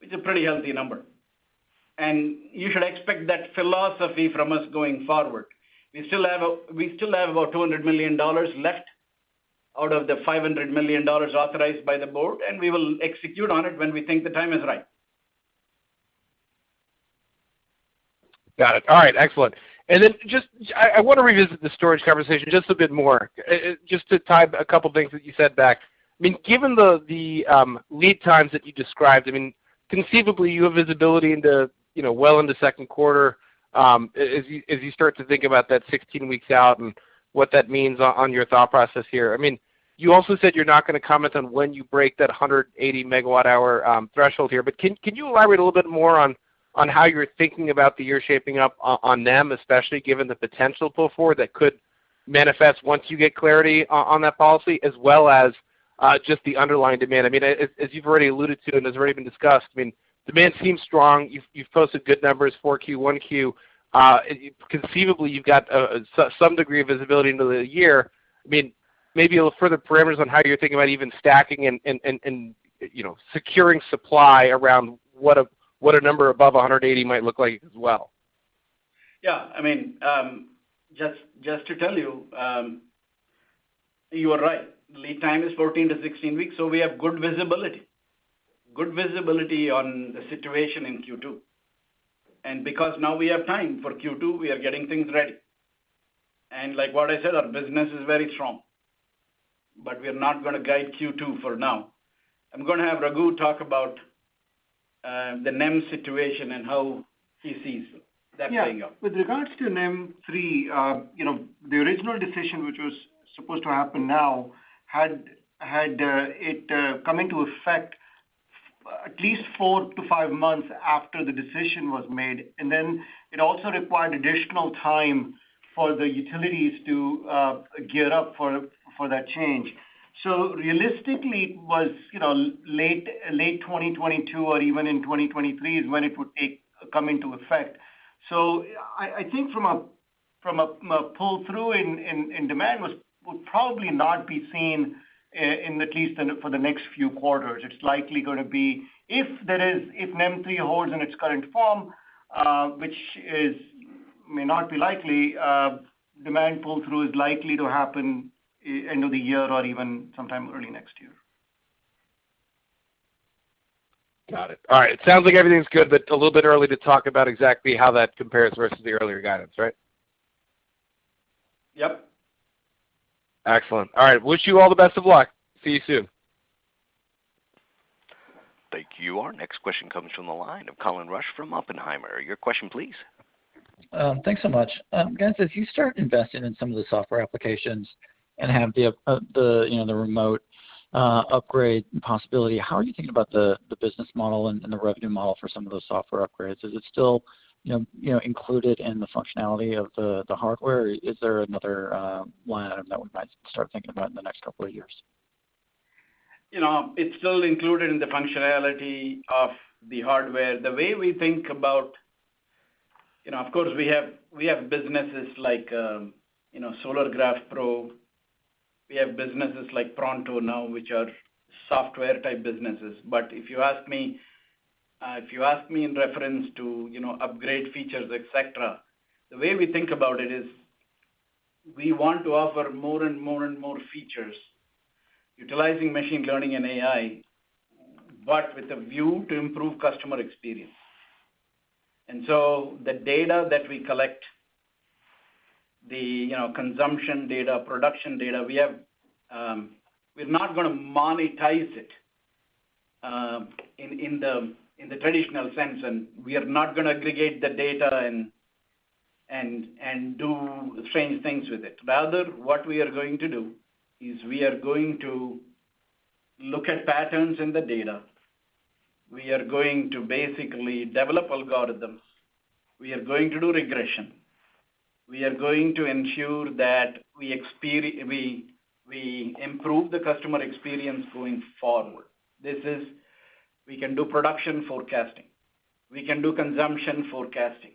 It's a pretty healthy number. You should expect that philosophy from us going forward. We still have about $200 million left out of the $500 million authorized by the board, and we will execute on it when we think the time is right. Got it. All right, excellent. I wanna revisit the storage conversation just a bit more, just to tie a couple things that you said back. I mean, given the lead times that you described, I mean, conceivably, you have visibility into, you know, well in the second quarter, as you start to think about that 16 weeks out and what that means on your thought process here. I mean, you also said you're not gonna comment on when you break that 180 MWh threshold here, but can you elaborate a little bit more on how you're thinking about the year shaping up on them, especially given the potential pull forward that could manifest once you get clarity on that policy, as well as just the underlying demand? I mean, as you've already alluded to and has already been discussed, demand seems strong. You've posted good numbers, Q4, Q1. Conceivably, you've got some degree of visibility into the year. I mean, maybe a little further parameters on how you're thinking about even stacking and, you know, securing supply around what a number above 180 might look like as well. Yeah. I mean, just to tell you are right. Lead time is 14-16 weeks, so we have good visibility on the situation in Q2. Because now we have time for Q2, we are getting things ready. Like what I said, our business is very strong, but we're not gonna guide Q2 for now. I'm gonna have Raghu talk about the NEM situation and how he sees that playing out. Yeah. With regards to NEM 3, you know, the original decision, which was supposed to happen now, had it come into effect at least four to five months after the decision was made. It also required additional time for the utilities to gear up for that change. Realistically, it was, you know, late 2022 or even in 2023 when it would come into effect. I think from a pull-through in demand would probably not be seen in at least for the next few quarters. It's likely gonna be. If NEM 3 holds in its current form, which may not be likely, demand pull-through is likely to happen end of the year or even sometime early next year. Got it. All right. It sounds like everything's good, but a little bit early to talk about exactly how that compares versus the earlier guidance, right? Yep. Excellent. All right. Wish you all the best of luck. See you soon. Thank you. Our next question comes from the line of Colin Rusch from Oppenheimer. Your question please. Thanks so much. Guys, as you start investing in some of the software applications and have the, you know, the remote upgrade possibility, how are you thinking about the business model and the revenue model for some of those software upgrades? Is it still, you know, included in the functionality of the hardware or is there another line item that we might start thinking about in the next couple of years? You know, it's still included in the functionality of the hardware. The way we think about you know, of course, we have businesses like, you know, Solargraf. We have businesses like Pronto now, which are software type businesses. If you ask me in reference to, you know, upgrade features, et cetera, the way we think about it is we want to offer more and more and more features utilizing machine learning and AI, but with a view to improve customer experience. The data that we collect, you know, consumption data, production data, we have, we're not gonna monetize it, in the traditional sense, and we are not gonna aggregate the data and do strange things with it. Rather, what we are going to do is we are going to look at patterns in the data. We are going to basically develop algorithms. We are going to do regression. We are going to ensure that we improve the customer experience going forward. We can do production forecasting. We can do consumption forecasting.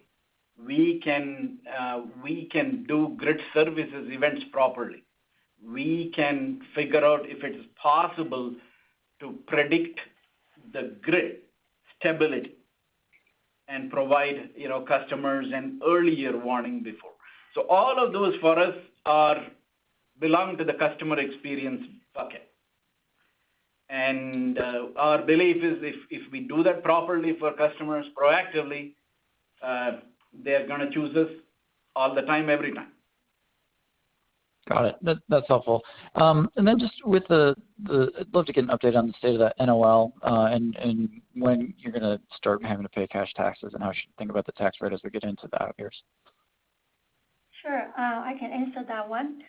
We can do grid services events properly. We can figure out if it is possible to predict the grid stability and provide, you know, customers an earlier warning before. All of those for us belong to the customer experience bucket. Our belief is if we do that properly for customers proactively, they're gonna choose us all the time, every time. Got it. That's helpful. I'd love to get an update on the state of the NOL and when you're gonna start having to pay cash taxes and how I should think about the tax rate as we get into that year. Sure. I can answer that one.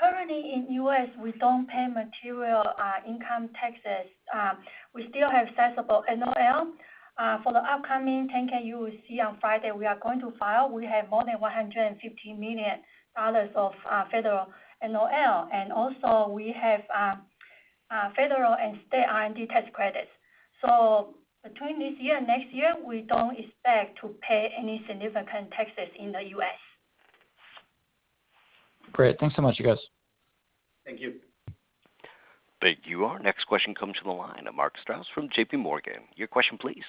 Currently in U.S., we don't pay material income taxes. We still have sizable NOL. For the upcoming 10-K, you will see on Friday, we are going to file. We have more than $150 million of federal NOL. Also we have federal and state R&D tax credits. Between this year and next year, we don't expect to pay any significant taxes in the U.S. Great. Thanks so much, you guys. Thank you. Thank you. Our next question comes from the line of Mark Strouse from JPMorgan. Your question please.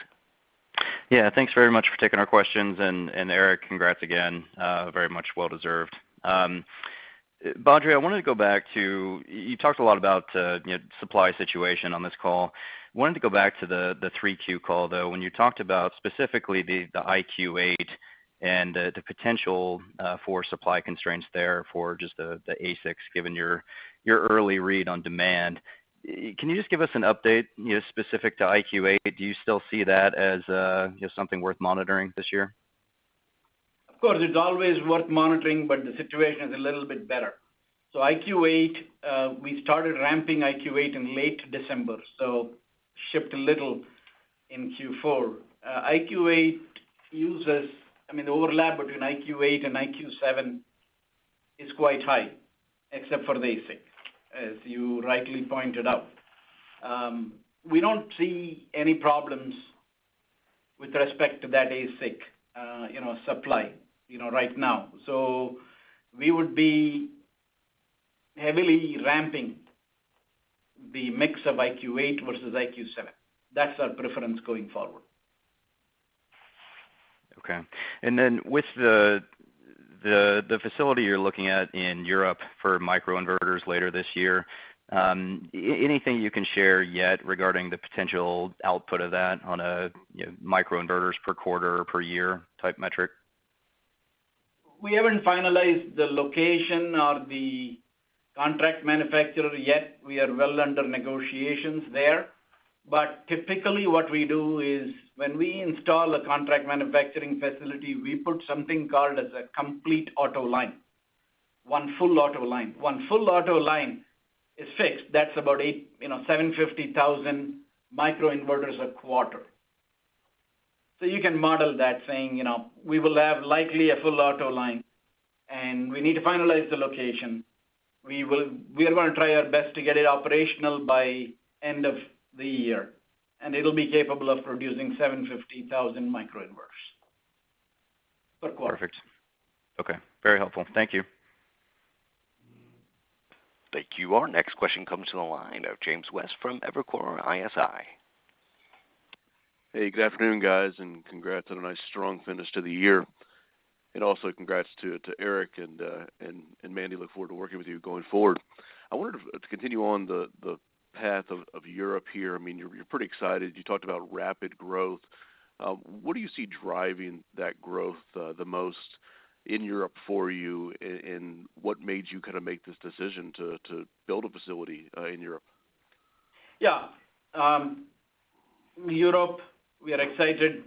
Yeah. Thanks very much for taking our questions. Eric, congrats again, very much well deserved. Badri, I wanted to go back to, you talked a lot about, you know, supply situation on this call. Wanted to go back to the 3Q call, though, when you talked about specifically the IQ Eight and the potential for supply constraints there for just the ASICs, given your early read on demand. Can you just give us an update, you know, specific to IQ8? Do you still see that as, you know, something worth monitoring this year? Of course, it's always worth monitoring, but the situation is a little bit better. IQ8, we started ramping IQ8 in late December, so shipped a little in Q4. IQ8 uses. I mean, the overlap between IQ8 and IQ7 is quite high, except for the ASIC, as you rightly pointed out. We don't see any problems with respect to that ASIC, you know, supply, you know, right now. We would be heavily ramping the mix of IQ8 versus IQ7. That's our preference going forward. Okay. With the facility you're looking at in Europe for microinverters later this year, anything you can share yet regarding the potential output of that on a, you know, microinverters per quarter or per year type metric? We haven't finalized the location or the contract manufacturer yet. We are well under negotiations there. Typically what we do is when we install a contract manufacturing facility, we put something called as a complete auto line. One full auto line is fixed. That's about, you know, 750,000 microinverters a quarter. You can model that saying, you know, we will have likely a full auto line, and we need to finalize the location. We are gonna try our best to get it operational by end of the year, and it'll be capable of producing 750,000 microinverters per quarter. Perfect. Okay. Very helpful. Thank you. Thank you. Our next question comes to the line of James West from Evercore ISI. Hey, good afternoon, guys, and congrats on a nice strong finish to the year. Also congrats to Eric and Mandy. I look forward to working with you going forward. I wondered to continue on the path of Europe here. I mean, you're pretty excited. You talked about rapid growth. What do you see driving that growth the most in Europe for you? What made you kind of make this decision to build a facility in Europe? Yeah. Europe, we are excited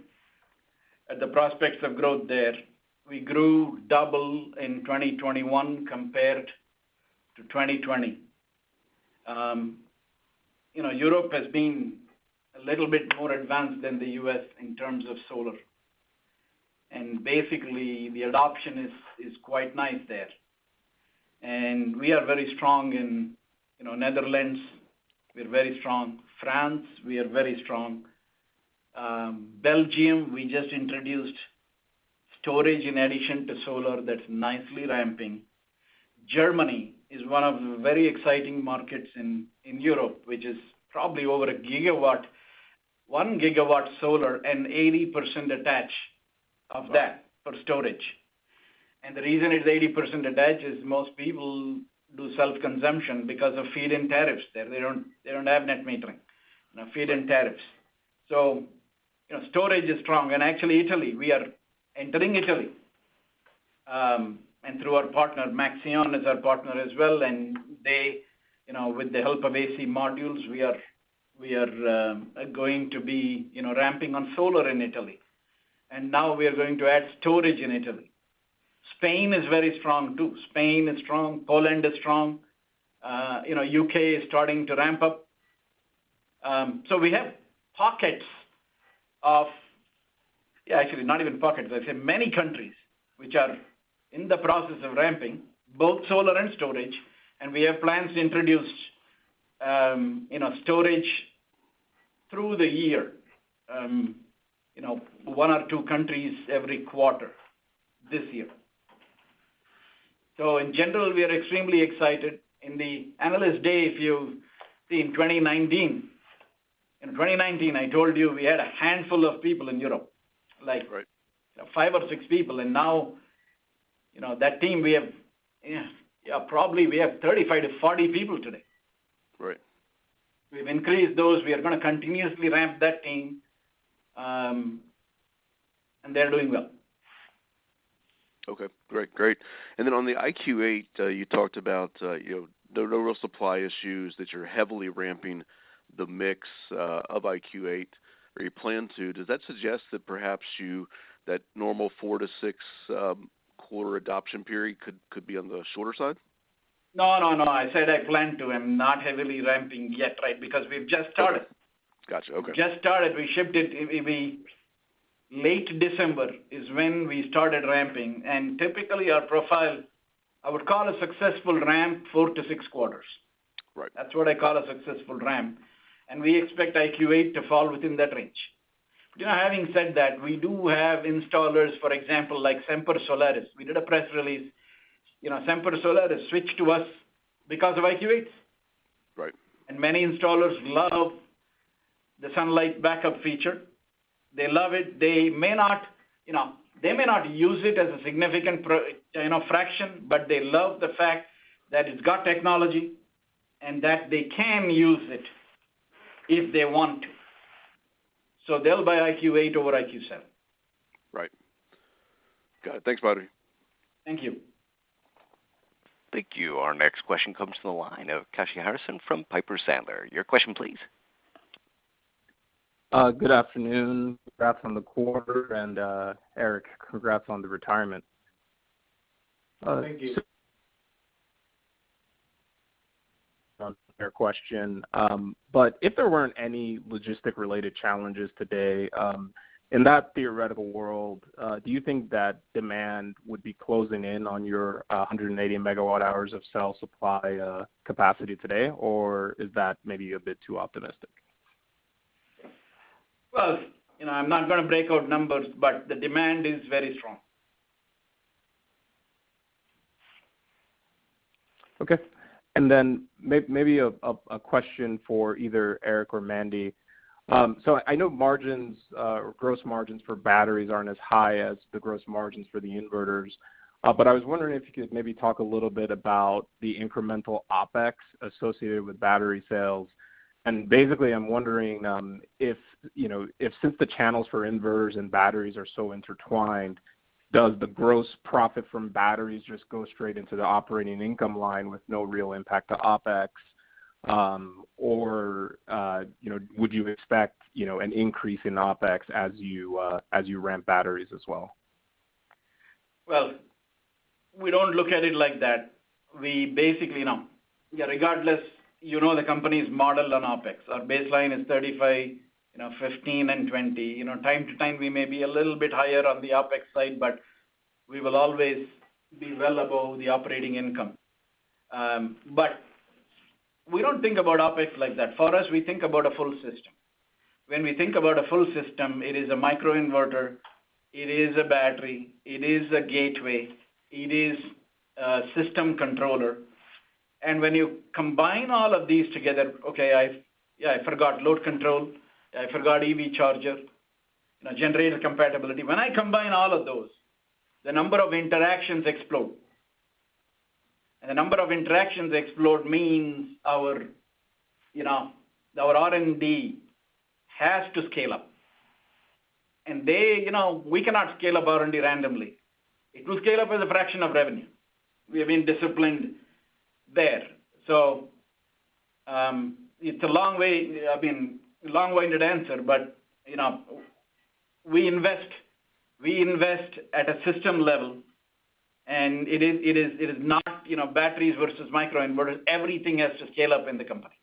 at the prospects of growth there. We grew double in 2021 compared to 2020. You know, Europe has been a little bit more advanced than the U.S. in terms of solar. Basically, the adoption is quite nice there. We are very strong in, you know, Netherlands. We're very strong in France. Belgium, we just introduced storage in addition to solar that's nicely ramping. Germany is one of the very exciting markets in Europe, which is probably over 1 GW, 1 GW solar and 80% attached of that for storage. The reason it's 80% attached is most people do self-consumption because of feed-in tariffs there. They don't have net metering. You know, feed-in tariffs. You know, storage is strong. Actually, Italy, we are entering Italy. Through our partner, Maxeon is our partner as well, and they, you know, with the help of AC Modules, we are going to be, you know, ramping on solar in Italy. Now we are going to add storage in Italy. Spain is very strong. Poland is strong. You know, U.K. is starting to ramp up. We have pockets of. Yeah, actually not even pockets. I'd say many countries which are in the process of ramping both solar and storage, and we have plans to introduce, you know, storage through the year, you know, one or two countries every quarter this year. In general, we are extremely excited. In the Analyst Day, if you see in 2019, I told you we had a handful of people in Europe, like Right you know, five or six people. Now, you know, that team, we have probably 35-40 people today. Right. We've increased those. We are gonna continuously ramp that team, and they're doing well. Okay, great. Then on the IQ8, you talked about, you know, the real supply issues that you're heavily ramping the mix of IQ8, or you plan to. Does that suggest that perhaps that normal four to six quarter adoption period could be on the shorter side? No, no. I said I plan to. I'm not heavily ramping yet, right? Because we've just started. Got you. Okay. Just started. We shipped it. Late December is when we started ramping. Typically, our profile, I would call a successful ramp four to six quarters. Right. That's what I call a successful ramp. We expect IQ8 to fall within that range. You know, having said that, we do have installers, for example, like Semper Solaris. We did a press release. You know, Semper Solaris switched to us because of IQ8. Right. Many installers love the sunlight backup feature. They love it. They may not, you know, use it as a significant fraction, you know, but they love the fact that it's got technology and that they can use it if they want to. They'll buy IQ8 over IQ7. Right. Got it. Thanks, Badri. Thank you. Thank you. Our next question comes from the line of Kashy Harrison from Piper Sandler. Your question, please. Good afternoon. Congrats on the quarter, and Eric, congrats on the retirement. Thank you. On your question, but if there weren't any logistic-related challenges today, in that theoretical world, do you think that demand would be closing in on your 180 MWh of cell supply capacity today, or is that maybe a bit too optimistic? Well, you know, I'm not gonna break out numbers, but the demand is very strong. Okay. Maybe a question for either Eric or Mandy. I know margins, or gross margins for batteries aren't as high as the gross margins for the inverters. I was wondering if you could maybe talk a little bit about the incremental OpEx associated with battery sales. Basically I'm wondering, you know, if since the channels for inverters and batteries are so intertwined, does the gross profit from batteries just go straight into the operating income line with no real impact to OpEx? You know, would you expect, you know, an increase in OpEx as you ramp batteries as well? Well, we don't look at it like that. We basically, you know, yeah, regardless, you know, the company is modeled on OpEx. Our baseline is 35%, you know, 15% and 20%. You know, time to time we may be a little bit higher on the OpEx side, but we will always be well above the operating income. But we don't think about OpEx like that. For us, we think about a full system. When we think about a full system, it is a micro-inverter, it is a battery, it is a gateway, it is a system controller. When you combine all of these together, I forgot load control, I forgot EV charger, you know, generator compatibility. When I combine all of those, the number of interactions explode means our, you know, our R&D has to scale up. They, you know, we cannot scale up R&D randomly. It will scale up as a fraction of revenue. We have been disciplined there. It's a long-winded answer, but, you know, we invest at a system level, and it is not, you know, batteries versus micro inverters. Everything has to scale up in the company.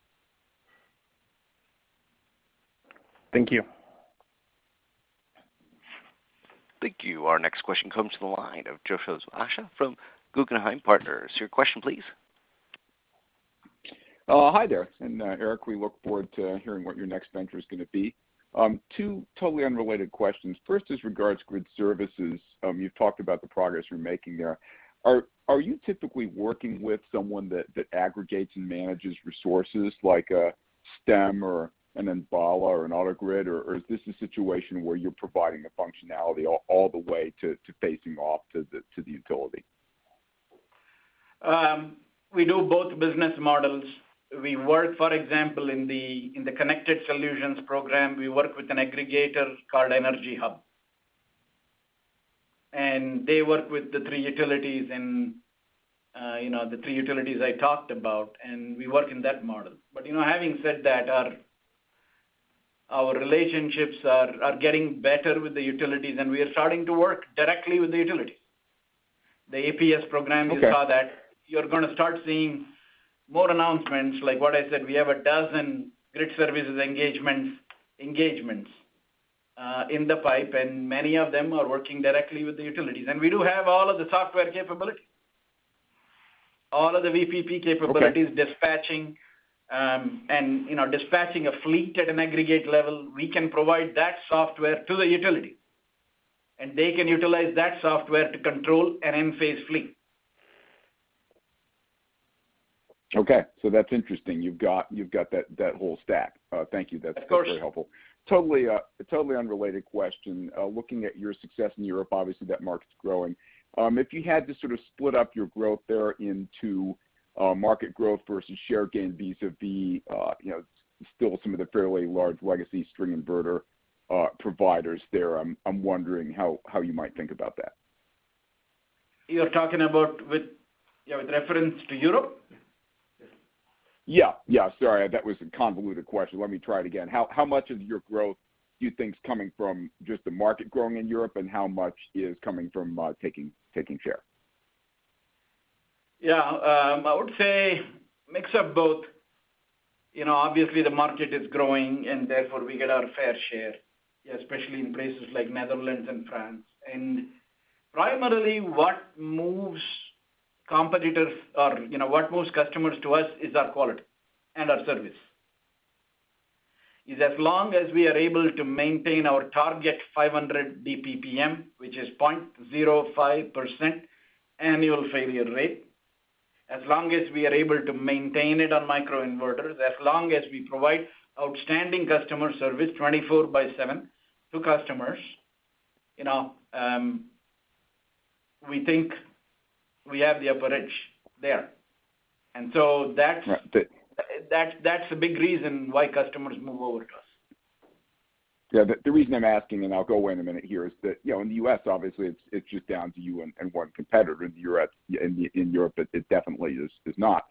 Thank you. Thank you. Our next question comes from the line of Joseph Osha from Guggenheim Partners. Your question, please. Hi there. Eric, we look forward to hearing what your next venture is gonna be. Two totally unrelated questions. First, regarding grid services. You've talked about the progress you're making there. Are you typically working with someone that aggregates and manages resources like a Stem or an Enbala or an AutoGrid? Or is this a situation where you're providing a functionality all the way to facing off to the utility? We do both business models. We work, for example, in the ConnectedSolutions program, we work with an aggregator called EnergyHub. They work with the three utilities and, you know, the three utilities I talked about, and we work in that model. You know, having said that, our relationships are getting better with the utilities, and we are starting to work directly with the utilities. The APS program. Okay. You saw that. You're gonna start seeing more announcements like what I said, we have a dozen grid services engagements in the pipe, and many of them are working directly with the utilities. We do have all of the software capability. All of the VPP capabilities. Okay. Dispatching, you know, a fleet at an aggregate level. We can provide that software to the utility, and they can utilize that software to control an Enphase fleet. Okay, that's interesting. You've got that whole stack. Thank you. That's. Of course. Very helpful. Totally unrelated question. Looking at your success in Europe, obviously that market's growing. If you had to sort of split up your growth there into market growth versus share gain vis-à-vis you know still some of the fairly large legacy string inverter providers there, I'm wondering how you might think about that. You're talking about with, you know, with reference to Europe? Yeah. Yeah, sorry. That was a convoluted question. Let me try it again. How much of your growth do you think is coming from just the market growing in Europe, and how much is coming from taking share? Yeah, I would say mix of both. You know, obviously the market is growing and therefore we get our fair share, especially in places like Netherlands and France. Primarily what moves competitors or, you know, what moves customers to us is our quality and our service. As long as we are able to maintain our target 500 DPPM, which is 0.05% annual failure rate, as long as we are able to maintain it on microinverters, as long as we provide outstanding customer service 24/7 to customers, you know, we think we have the upper edge there. That's- Right. That's a big reason why customers move over to us. Yeah. The reason I'm asking, and I'll go away in a minute here, is that, you know, in the U.S. obviously it's just down to you and one competitor. In Europe, it definitely is not.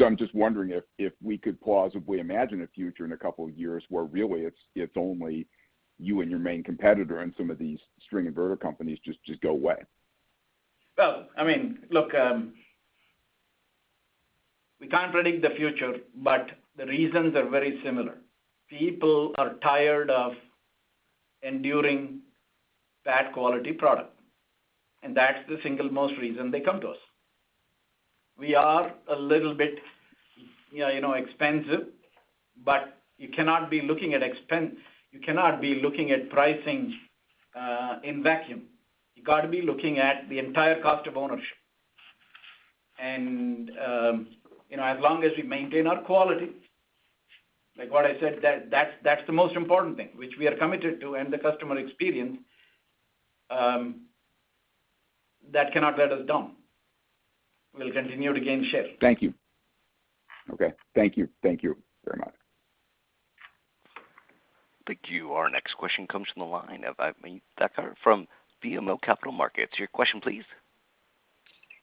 I'm just wondering if we could plausibly imagine a future in a couple of years where really it's only you and your main competitor, and some of these string inverter companies just go away. Well, I mean, look, we can't predict the future, but the reasons are very similar. People are tired of enduring bad quality product, and that's the single most reason they come to us. We are a little bit, yeah, you know, expensive, but you cannot be looking at pricing in a vacuum. You gotta be looking at the entire cost of ownership. You know, as long as we maintain our quality, like what I said, that's the most important thing, which we are committed to, and the customer experience that cannot let us down. We'll continue to gain share. Thank you. Okay. Thank you. Thank you very much. Thank you. Our next question comes from the line of Ameet Thakkar from BMO Capital Markets. Your question please.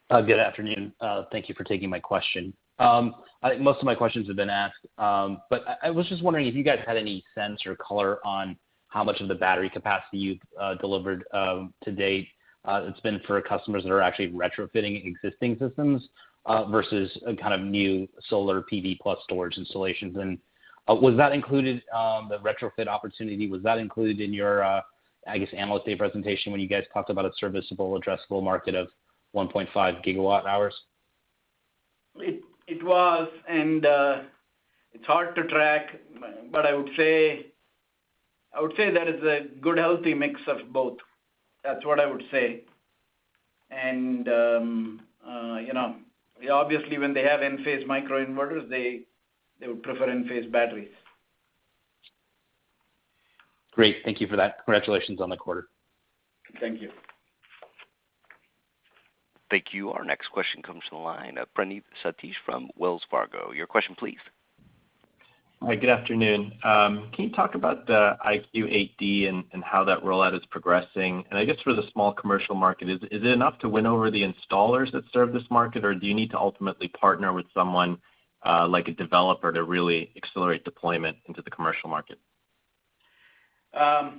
Good afternoon. Thank you for taking my question. I think most of my questions have been asked. But I was just wondering if you guys had any sense or color on how much of the battery capacity you've delivered to date it's been for customers that are actually retrofitting existing systems versus a kind of new solar PV plus storage installations. Was that included, the retrofit opportunity, was that included in your, I guess, Analyst Day presentation when you guys talked about a serviceable addressable market of 1.5 GWh? It's hard to track, but I would say that is a good healthy mix of both. That's what I would say. You know, obviously when they have Enphase microinverters, they would prefer Enphase batteries. Great. Thank you for that. Congratulations on the quarter. Thank you. Thank you. Our next question comes from the line of Praneeth Satish from Wells Fargo. Your question, please. Hi, good afternoon. Can you talk about the IQ8D and how that rollout is progressing? I guess for the small commercial market, is it enough to win over the installers that serve this market? Do you need to ultimately partner with someone like a developer to really accelerate deployment into the commercial market? The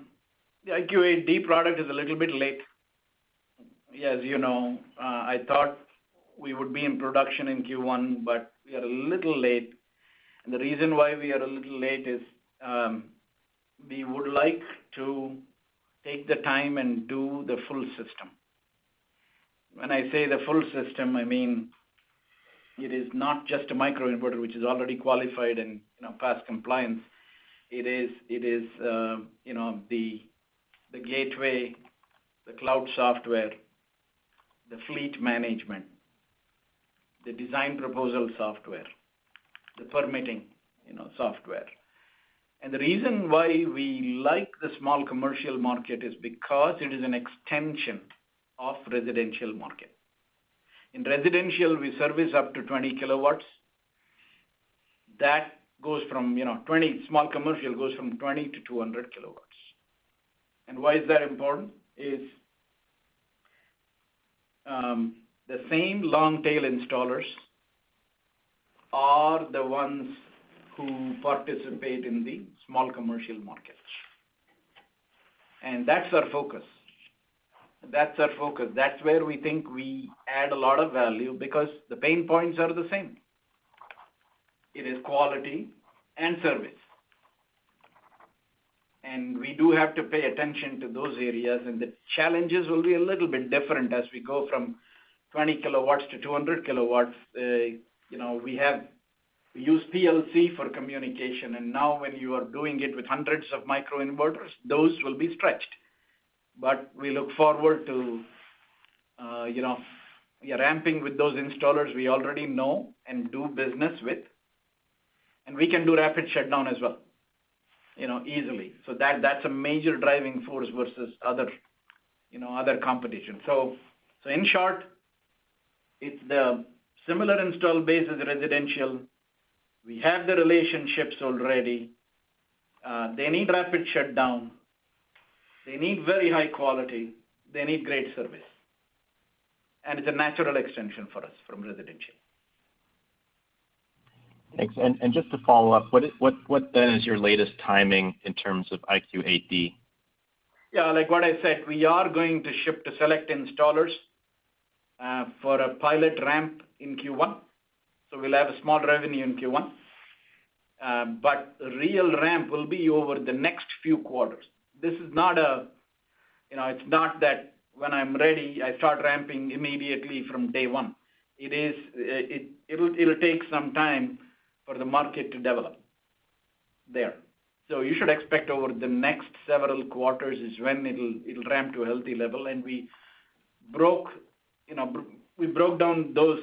IQ8D product is a little bit late. As you know, I thought we would be in production in Q1, but we are a little late. The reason why we are a little late is, we would like to take the time and do the full system. When I say the full system, I mean it is not just a microinverter which is already qualified and, you know, past compliance. It is you know, the gateway, the cloud software, the fleet management, the design proposal software, the permitting, you know, software. The reason why we like the small commercial market is because it is an extension of residential market. In residential, we service up to 20 kW. That goes from, you know, 20. Small commercial goes from 20-200 kW. Why is that important? Yes, the same long tail installers are the ones who participate in the small commercial markets. That's our focus. That's where we think we add a lot of value because the pain points are the same. It is quality and service. We do have to pay attention to those areas, and the challenges will be a little bit different as we go from 20 kW-200 kW. You know, we use PLC for communication, and now when you are doing it with hundreds of microinverters, those will be stretched. We look forward to, you know, ramping with those installers we already know and do business with. We can do rapid shutdown as well, you know, easily. That's a major driving force versus other competition. In short, it's the similar install base as residential. We have the relationships already. They need rapid shutdown. They need very high quality. They need great service. It's a natural extension for us from residential. Thanks. Just to follow up, what then is your latest timing in terms of IQ8D? Yeah, like what I said, we are going to ship to select installers for a pilot ramp in Q1, so we'll have a small revenue in Q1. Real ramp will be over the next few quarters. This is not, you know, it's not that when I'm ready, I start ramping immediately from day one. It'll take some time for the market to develop there. You should expect over the next several quarters is when it'll ramp to a healthy level. We broke down those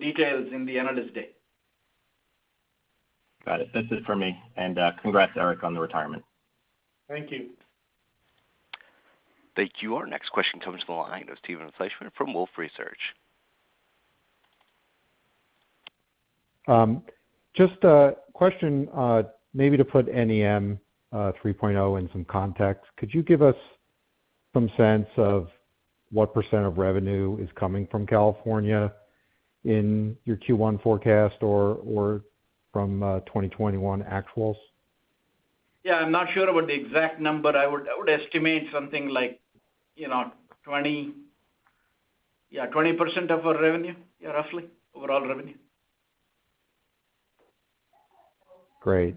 details in the Analyst Day. Got it. That's it for me. Congrats, Eric, on the retirement. Thank you. Thank you. Our next question comes from the line of Steve Fleishman from Wolfe Research. Just a question, maybe to put NEM 3.0 in some context. Could you give us some sense of what percent of revenue is coming from California in your Q1 forecast or from 2021 actuals? Yeah, I'm not sure about the exact number. I would estimate something like, you know, yeah, 20% of our revenue, yeah, roughly. Overall revenue. Great.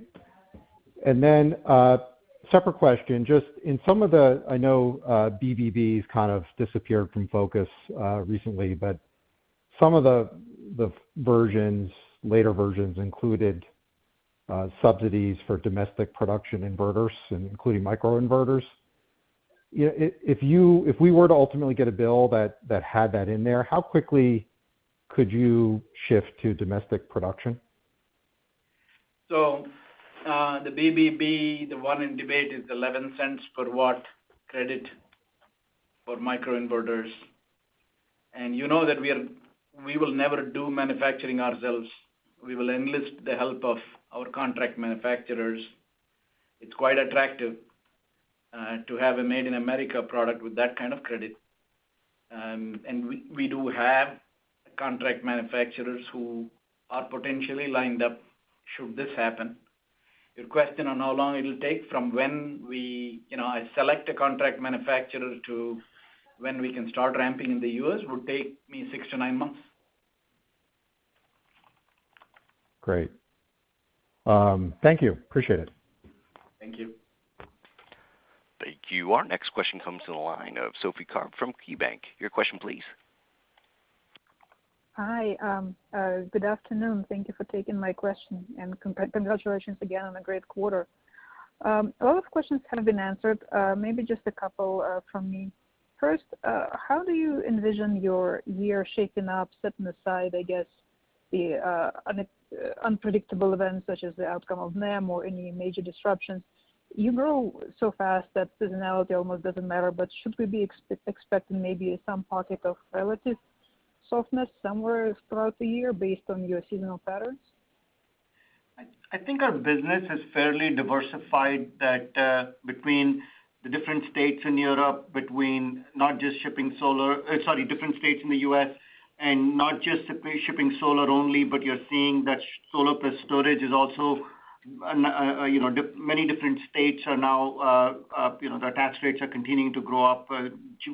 Separate question, just in some of the—I know, BBBs kind of disappeared from focus recently, but some of the later versions included subsidies for domestic production inverters, including microinverters. Yeah, if we were to ultimately get a bill that had that in there, how quickly could you shift to domestic production? The BBB, the one in debate, is $0.11 per watt credit for microinverters. You know that we will never do manufacturing ourselves. We will enlist the help of our contract manufacturers. It's quite attractive to have a Made in America product with that kind of credit. We do have contract manufacturers who are potentially lined up should this happen. Your question on how long it'll take from when we, you know, I select a contract manufacturer to when we can start ramping in the U.S., would take me six to nine months. Great. Thank you. Appreciate it. Thank you. Thank you. Our next question comes to the line of Sophie Karp from KeyBanc. Your question, please. Hi. Good afternoon. Thank you for taking my question and congratulations again on a great quarter. A lot of questions have been answered. Maybe just a couple from me. First, how do you envision your year shaping up, setting aside, I guess, the unpredictable events such as the outcome of NEM or any major disruptions? You grow so fast that seasonality almost doesn't matter. But should we be expecting maybe some pocket of relative softness somewhere throughout the year based on your seasonal patterns? I think our business is fairly diversified between the different states in the U.S., and not just shipping solar only, but you're seeing that solar plus storage is also, you know, many different states are now, you know, their tax rates are continuing to grow up,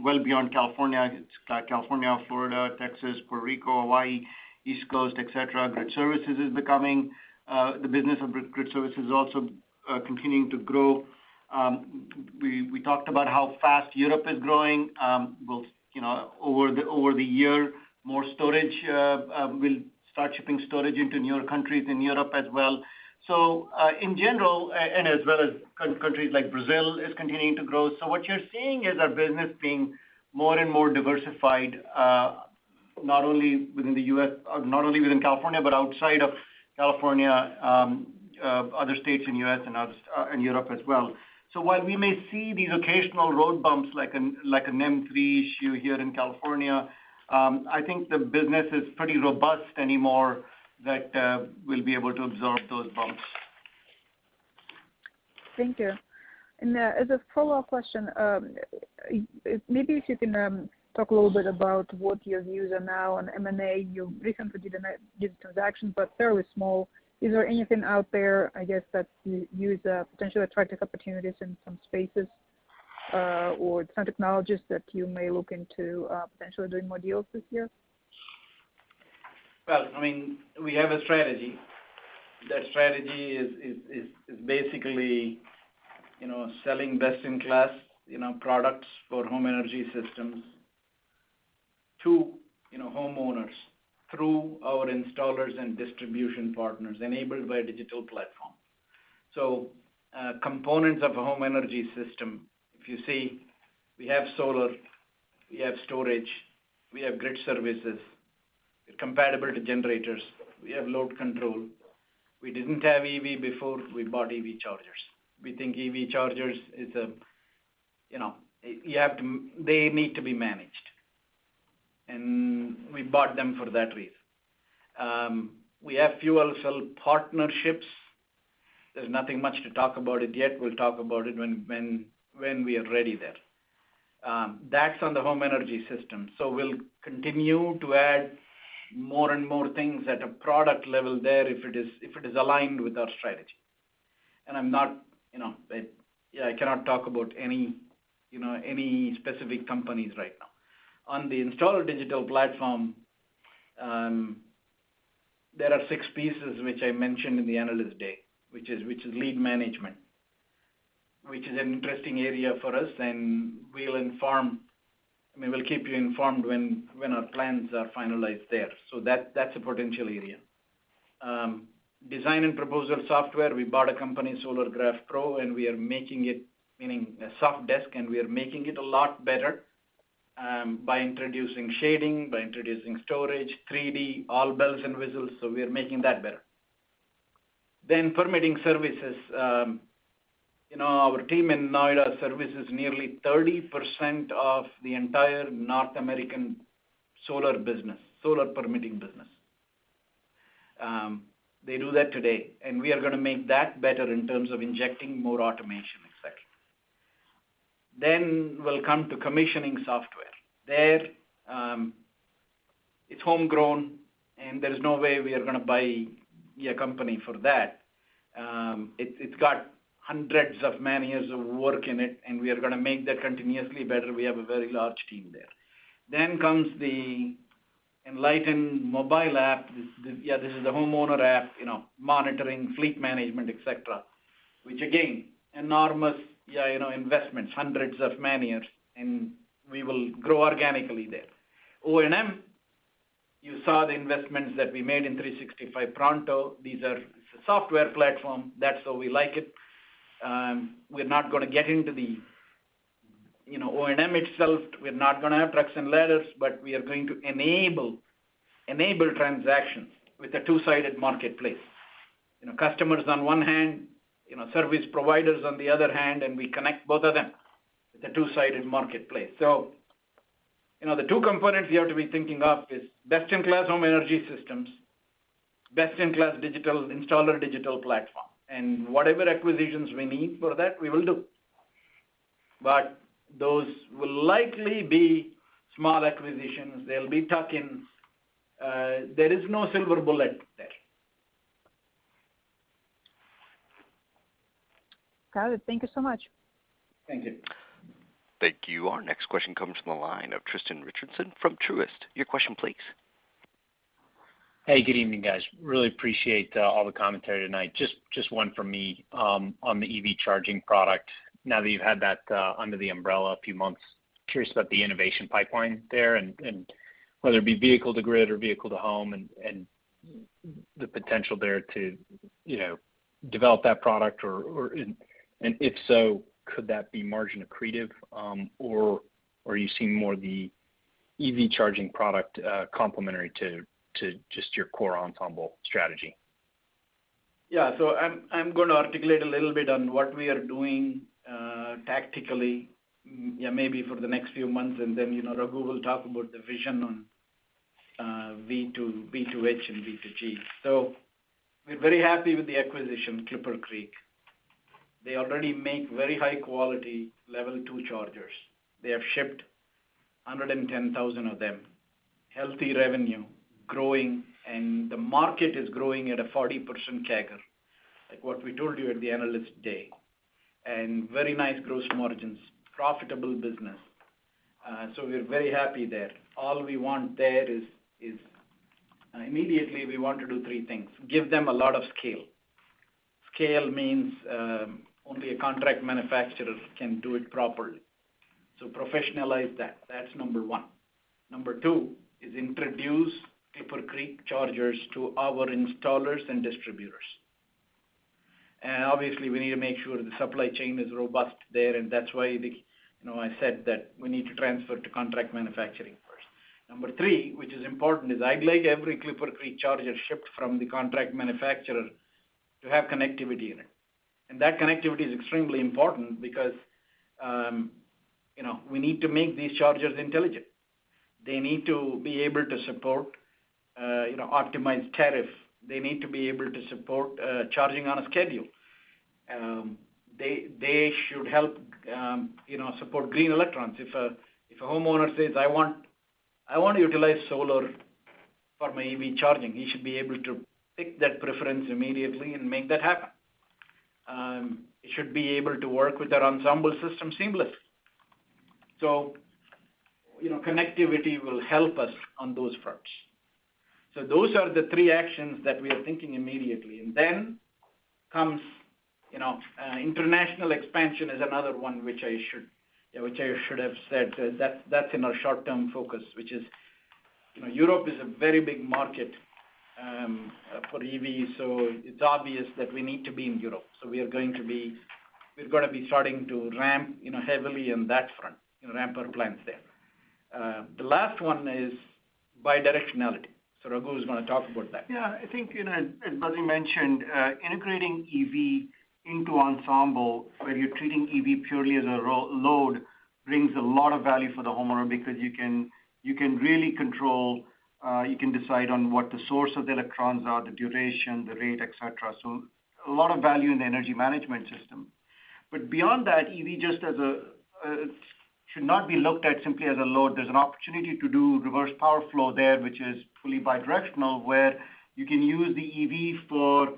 well beyond California. It's got California, Florida, Texas, Puerto Rico, Hawaii, East Coast, et cetera. Grid services is becoming, grid services is also continuing to grow. We talked about how fast Europe is growing. You know, over the year, we'll start shipping more storage into newer countries in Europe as well. In general, and as well as countries like Brazil is continuing to grow. What you're seeing is our business being more and more diversified, not only within the U.S., or not only within California, but outside of California, other states in U.S. and other in Europe as well. While we may see these occasional road bumps like a NEM 3 issue here in California, I think the business is pretty robust anymore that we'll be able to absorb those bumps. Thank you. As a follow-up question, maybe if you can talk a little bit about what your views are now on M&A. You recently did a transaction, but fairly small. Is there anything out there, I guess, that you see potentially attractive opportunities in some spaces or some technologies that you may look into potentially doing more deals this year? Well, I mean, we have a strategy. That strategy is basically, you know, selling best-in-class, you know, products for home energy systems to, you know, homeowners through our installers and distribution partners enabled by a digital platform. Components of a home energy system, if you see, we have solar, we have storage, we have grid services compatible to generators, we have load control. We didn't have EV before we bought EV chargers. We think EV chargers is a, you know, they need to be managed, and we bought them for that reason. We have fuel cell partnerships. There's nothing much to talk about it yet. We'll talk about it when we are ready there. That's on the home energy system. We'll continue to add more and more things at a product level there if it is aligned with our strategy. I cannot talk about any, you know, specific companies right now. On the installer digital platform, there are six pieces which I mentioned in the Analyst Day, which is lead management, which is an interesting area for us, and we'll keep you informed when our plans are finalized there. That's a potential area. Design and proposal software, we bought a company, Solargraf, and we are making it, meaning Sofdesk, and we are making it a lot better by introducing shading, by introducing storage, 3D, all bells and whistles. We are making that better. Permitting services, you know, our team in Noida services nearly 30% of the entire North American solar business, solar permitting business. They do that today, and we are gonna make that better in terms of injecting more automation, et cetera. We'll come to commissioning software. There, it's homegrown, and there is no way we are gonna buy a company for that. It's got hundreds of man-years of work in it, and we are gonna make that continuously better. We have a very large team there. Comes the Enlighten mobile app. This, yeah, this is the homeowner app, you know, monitoring, fleet management, et cetera, which again, enormous, yeah, you know, investments, hundreds of man-years, and we will grow organically there. O&M, you saw the investments that we made in 365 Pronto. These are software platform. That's how we like it. We're not gonna get into the, you know, O&M itself. We're not gonna have trucks and ladders, but we are going to enable transactions with a two-sided marketplace. You know, customers on one hand, you know, service providers on the other hand, and we connect both of them with a two-sided marketplace. You know, the two components we have to be thinking of is best-in-class home energy systems, best-in-class digital installer digital platform. Whatever acquisitions we need for that, we will do. But those will likely be small acquisitions. They'll be tuck-ins. There is no silver bullet there. Got it. Thank you so much. Thank you. Thank you. Our next question comes from the line of Tristan Richardson from Truist. Your question please. Hey, good evening guys. I really appreciate all the commentary tonight. Just one from me on the EV charging product. Now that you've had that under the umbrella a few months, I'm curious about the innovation pipeline there and whether it be vehicle to grid or vehicle to home and the potential there to, you know, develop that product or if so, could that be margin accretive, or are you seeing more the EV charging product complementary to just your core Ensemble strategy? Yeah. I'm gonna articulate a little bit on what we are doing tactically, yeah, maybe for the next few months, and then you know, Raghu will talk about the vision on V2H and V2G. We're very happy with the acquisition of ClipperCreek. They already make very high quality Level 2 chargers. They have shipped 110,000 of them. Healthy revenue, growing, and the market is growing at a 40% CAGR, like what we told you at the Analyst Day. Very nice gross margins. Profitable business. We're very happy there. All we want there is immediately we want to do three things. Give them a lot of scale. Scale means only a contract manufacturer can do it properly. Professionalize that. That's number one. Number two is to introduce ClipperCreek chargers to our installers and distributors. Obviously, we need to make sure the supply chain is robust there, and that's why, you know, I said that we need to transfer to contract manufacturing first. Number three, which is important, is I'd like every ClipperCreek charger shipped from the contract manufacturer to have connectivity in it. That connectivity is extremely important because, you know, we need to make these chargers intelligent. They need to be able to support, you know, optimized tariff. They need to be able to support charging on a schedule. They should help, you know, support green electrons. If a homeowner says, "I want to utilize solar for my EV charging," he should be able to pick that preference immediately and make that happen. It should be able to work with our Ensemble system seamless. You know, connectivity will help us on those fronts. Those are the three actions that we are thinking immediately. Then comes, you know, international expansion is another one which I should have said. That's in our short-term focus, which is, you know, Europe is a very big market for EV, so it's obvious that we need to be in Europe. We're gonna be starting to ramp, you know, heavily on that front, you know, ramp our plans there. The last one is bidirectionality, so Raghu is gonna talk about that. Yeah. I think, you know, as Badri mentioned, integrating EV into Ensemble, where you're treating EV purely as a load, brings a lot of value for the homeowner because you can really control, you can decide on what the source of the electrons are, the duration, the rate, et cetera. So a lot of value in the energy management system. But beyond that, EV should not be looked at simply as a load. There's an opportunity to do reverse power flow there, which is fully bidirectional, where you can use the EV for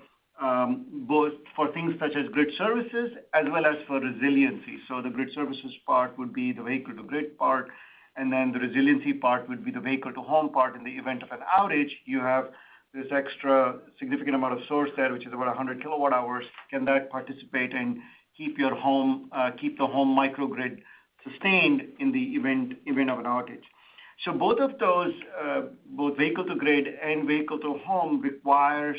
both for things such as grid services as well as for resiliency. So the grid services part would be the vehicle-to-grid part, and then the resiliency part would be the vehicle-to-home part. In the event of an outage, you have this extra significant amount of source there, which is about 100 kWh, can that participate and keep the home microgrid sustained in the event of an outage. Both of those, vehicle-to-grid and vehicle-to-home requires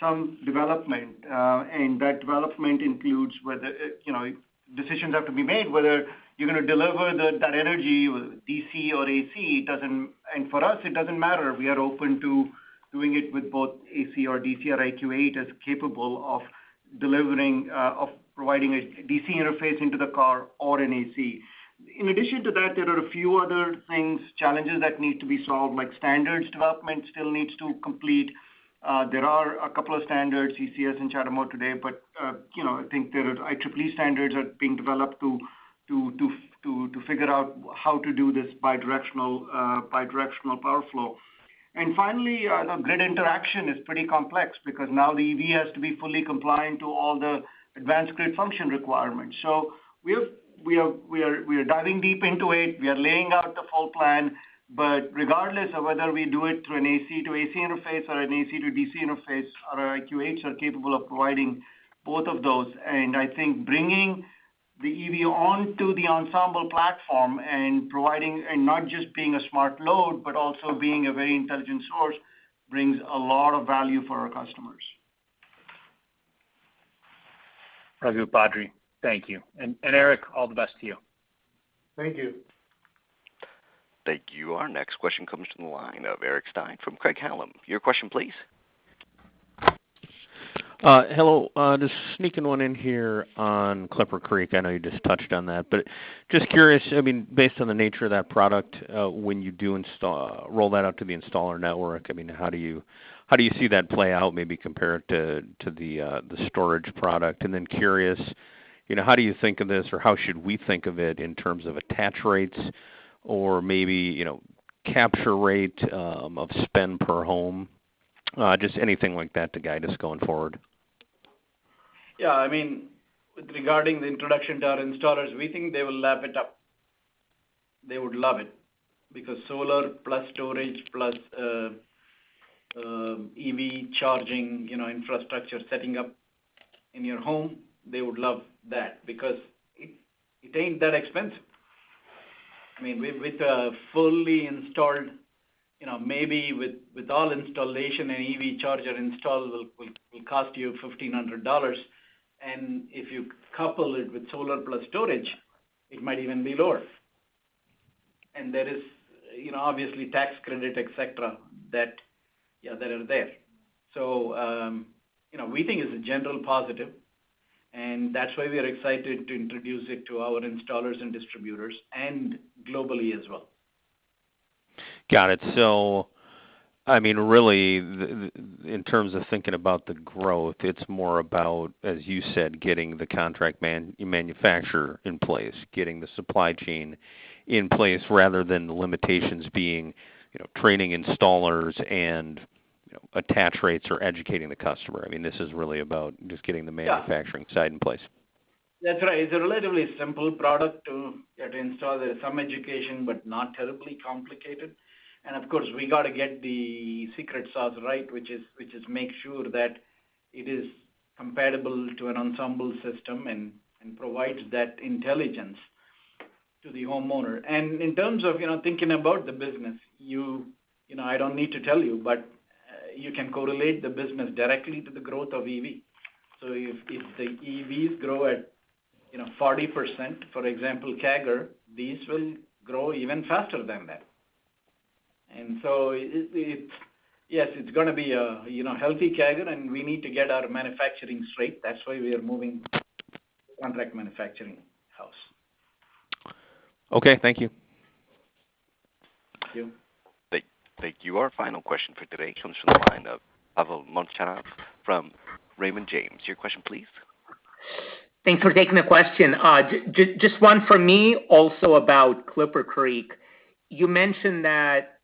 some development. That development includes whether, you know, decisions have to be made, whether you're gonna deliver that energy with DC or AC. It doesn't matter. For us, it doesn't matter. We are open to doing it with both AC or DC or IQ8 is capable of providing a DC interface into the car or an AC. In addition to that, there are a few other things, challenges that need to be solved, like standards development still needs to complete. There are a couple of standards, CCS and CHAdeMO today, but you know, I think there are IEEE standards being developed to figure out how to do this bidirectional power flow. Finally, the grid interaction is pretty complex because now the EV has to be fully compliant to all the advanced grid function requirements. We are diving deep into it. We are laying out the full plan. Regardless of whether we do it through an AC-AC interface or an AC to DC interface, our IQ8s are capable of providing both of those. I think bringing the EV onto the Ensemble platform and providing, and not just being a smart load, but also being a very intelligent source, brings a lot of value for our customers. Badri, thank you. Eric Branderiz, all the best to you. Thank you. Thank you. Our next question comes from the line of Eric Stine from Craig-Hallum. Your question, please. Hello. Just sneaking one in here on ClipperCreek. I know you just touched on that. Just curious, I mean, based on the nature of that product, when you install, roll that out to the installer network, I mean, how do you see that play out, maybe compare it to the storage product? Then curious, you know, how do you think of this, or how should we think of it in terms of attach rates or maybe, you know, capture rate of spend per home? Just anything like that to guide us going forward. Yeah, I mean, regarding the introduction to our installers, we think they will lap it up. They would love it because solar plus storage plus EV charging, you know, infrastructure setting up in your home, they would love that because it ain't that expensive. I mean, with a fully installed, you know, maybe with all installation and EV charger installed will cost you $1,500. And if you couple it with solar plus storage, it might even be lower. And there is, you know, obviously tax credit, et cetera, that are there. You know, we think it's a general positive, and that's why we are excited to introduce it to our installers and distributors and globally as well. Got it. I mean, really in terms of thinking about the growth, it's more about, as you said, getting the contract manufacturer in place, getting the supply chain in place rather than the limitations being, you know, training installers and, you know, attach rates or educating the customer. I mean, this is really about just getting the manufacturing. Yeah. Upside in place. That's right. It's a relatively simple product to, you know, to install. There's some education, but not terribly complicated. Of course, we gotta get the secret sauce right, which is make sure that it is compatible to an Ensemble system and provides that intelligence to the homeowner. In terms of, you know, thinking about the business, you know, I don't need to tell you, but you can correlate the business directly to the growth of EV. If the EVs grow at, you know, 40%, for example, CAGR, these will grow even faster than that. It. Yes, it's gonna be a, you know, healthy CAGR, and we need to get our manufacturing straight. That's why we are moving to contract manufacturing house. Okay, thank you. Thank you. Thank you. Our final question for today comes from the line of Pavel Molchanov from Raymond James. Your question, please. Thanks for taking the question. Just one for me also about ClipperCreek. You mentioned that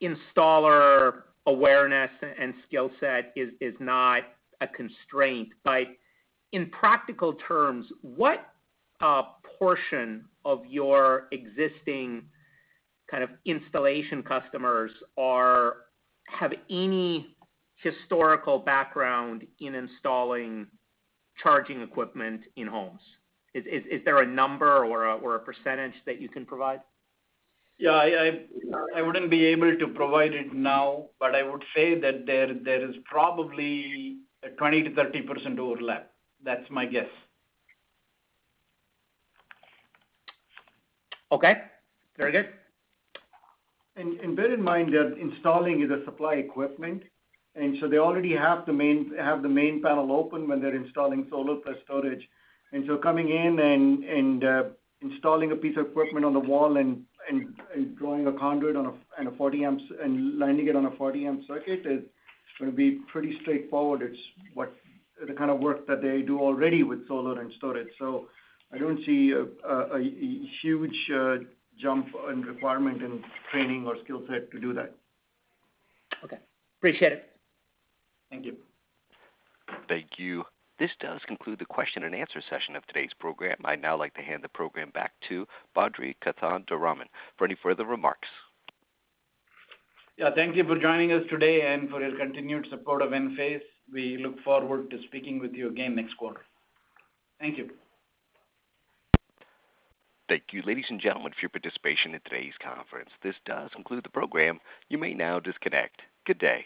installer awareness and skill set is not a constraint. In practical terms, what portion of your existing kind of installation customers have any historical background in installing charging equipment in homes? Is there a number or a percentage that you can provide? Yeah, I wouldn't be able to provide it now, but I would say that there is probably a 20%-30% overlap. That's my guess. Okay, very good. Bear in mind that installing simple equipment, they already have the main panel open when they're installing solar plus storage. Coming in and installing a piece of equipment on the wall and drawing a conduit for a 40-amp and landing it on a 40-amp circuit is gonna be pretty straightforward. It's the kind of work that they do already with solar and storage. I don't see a huge jump in requirement in training or skill set to do that. Okay, appreciate it. Thank you. Thank you. This does conclude the question and answer session of today's program. I'd now like to hand the program back to Badri Kothandaraman for any further remarks. Yeah, thank you for joining us today and for your continued support of Enphase. We look forward to speaking with you again next quarter. Thank you. Thank you, ladies and gentlemen, for your participation in today's conference. This does conclude the program. You may now disconnect. Good day.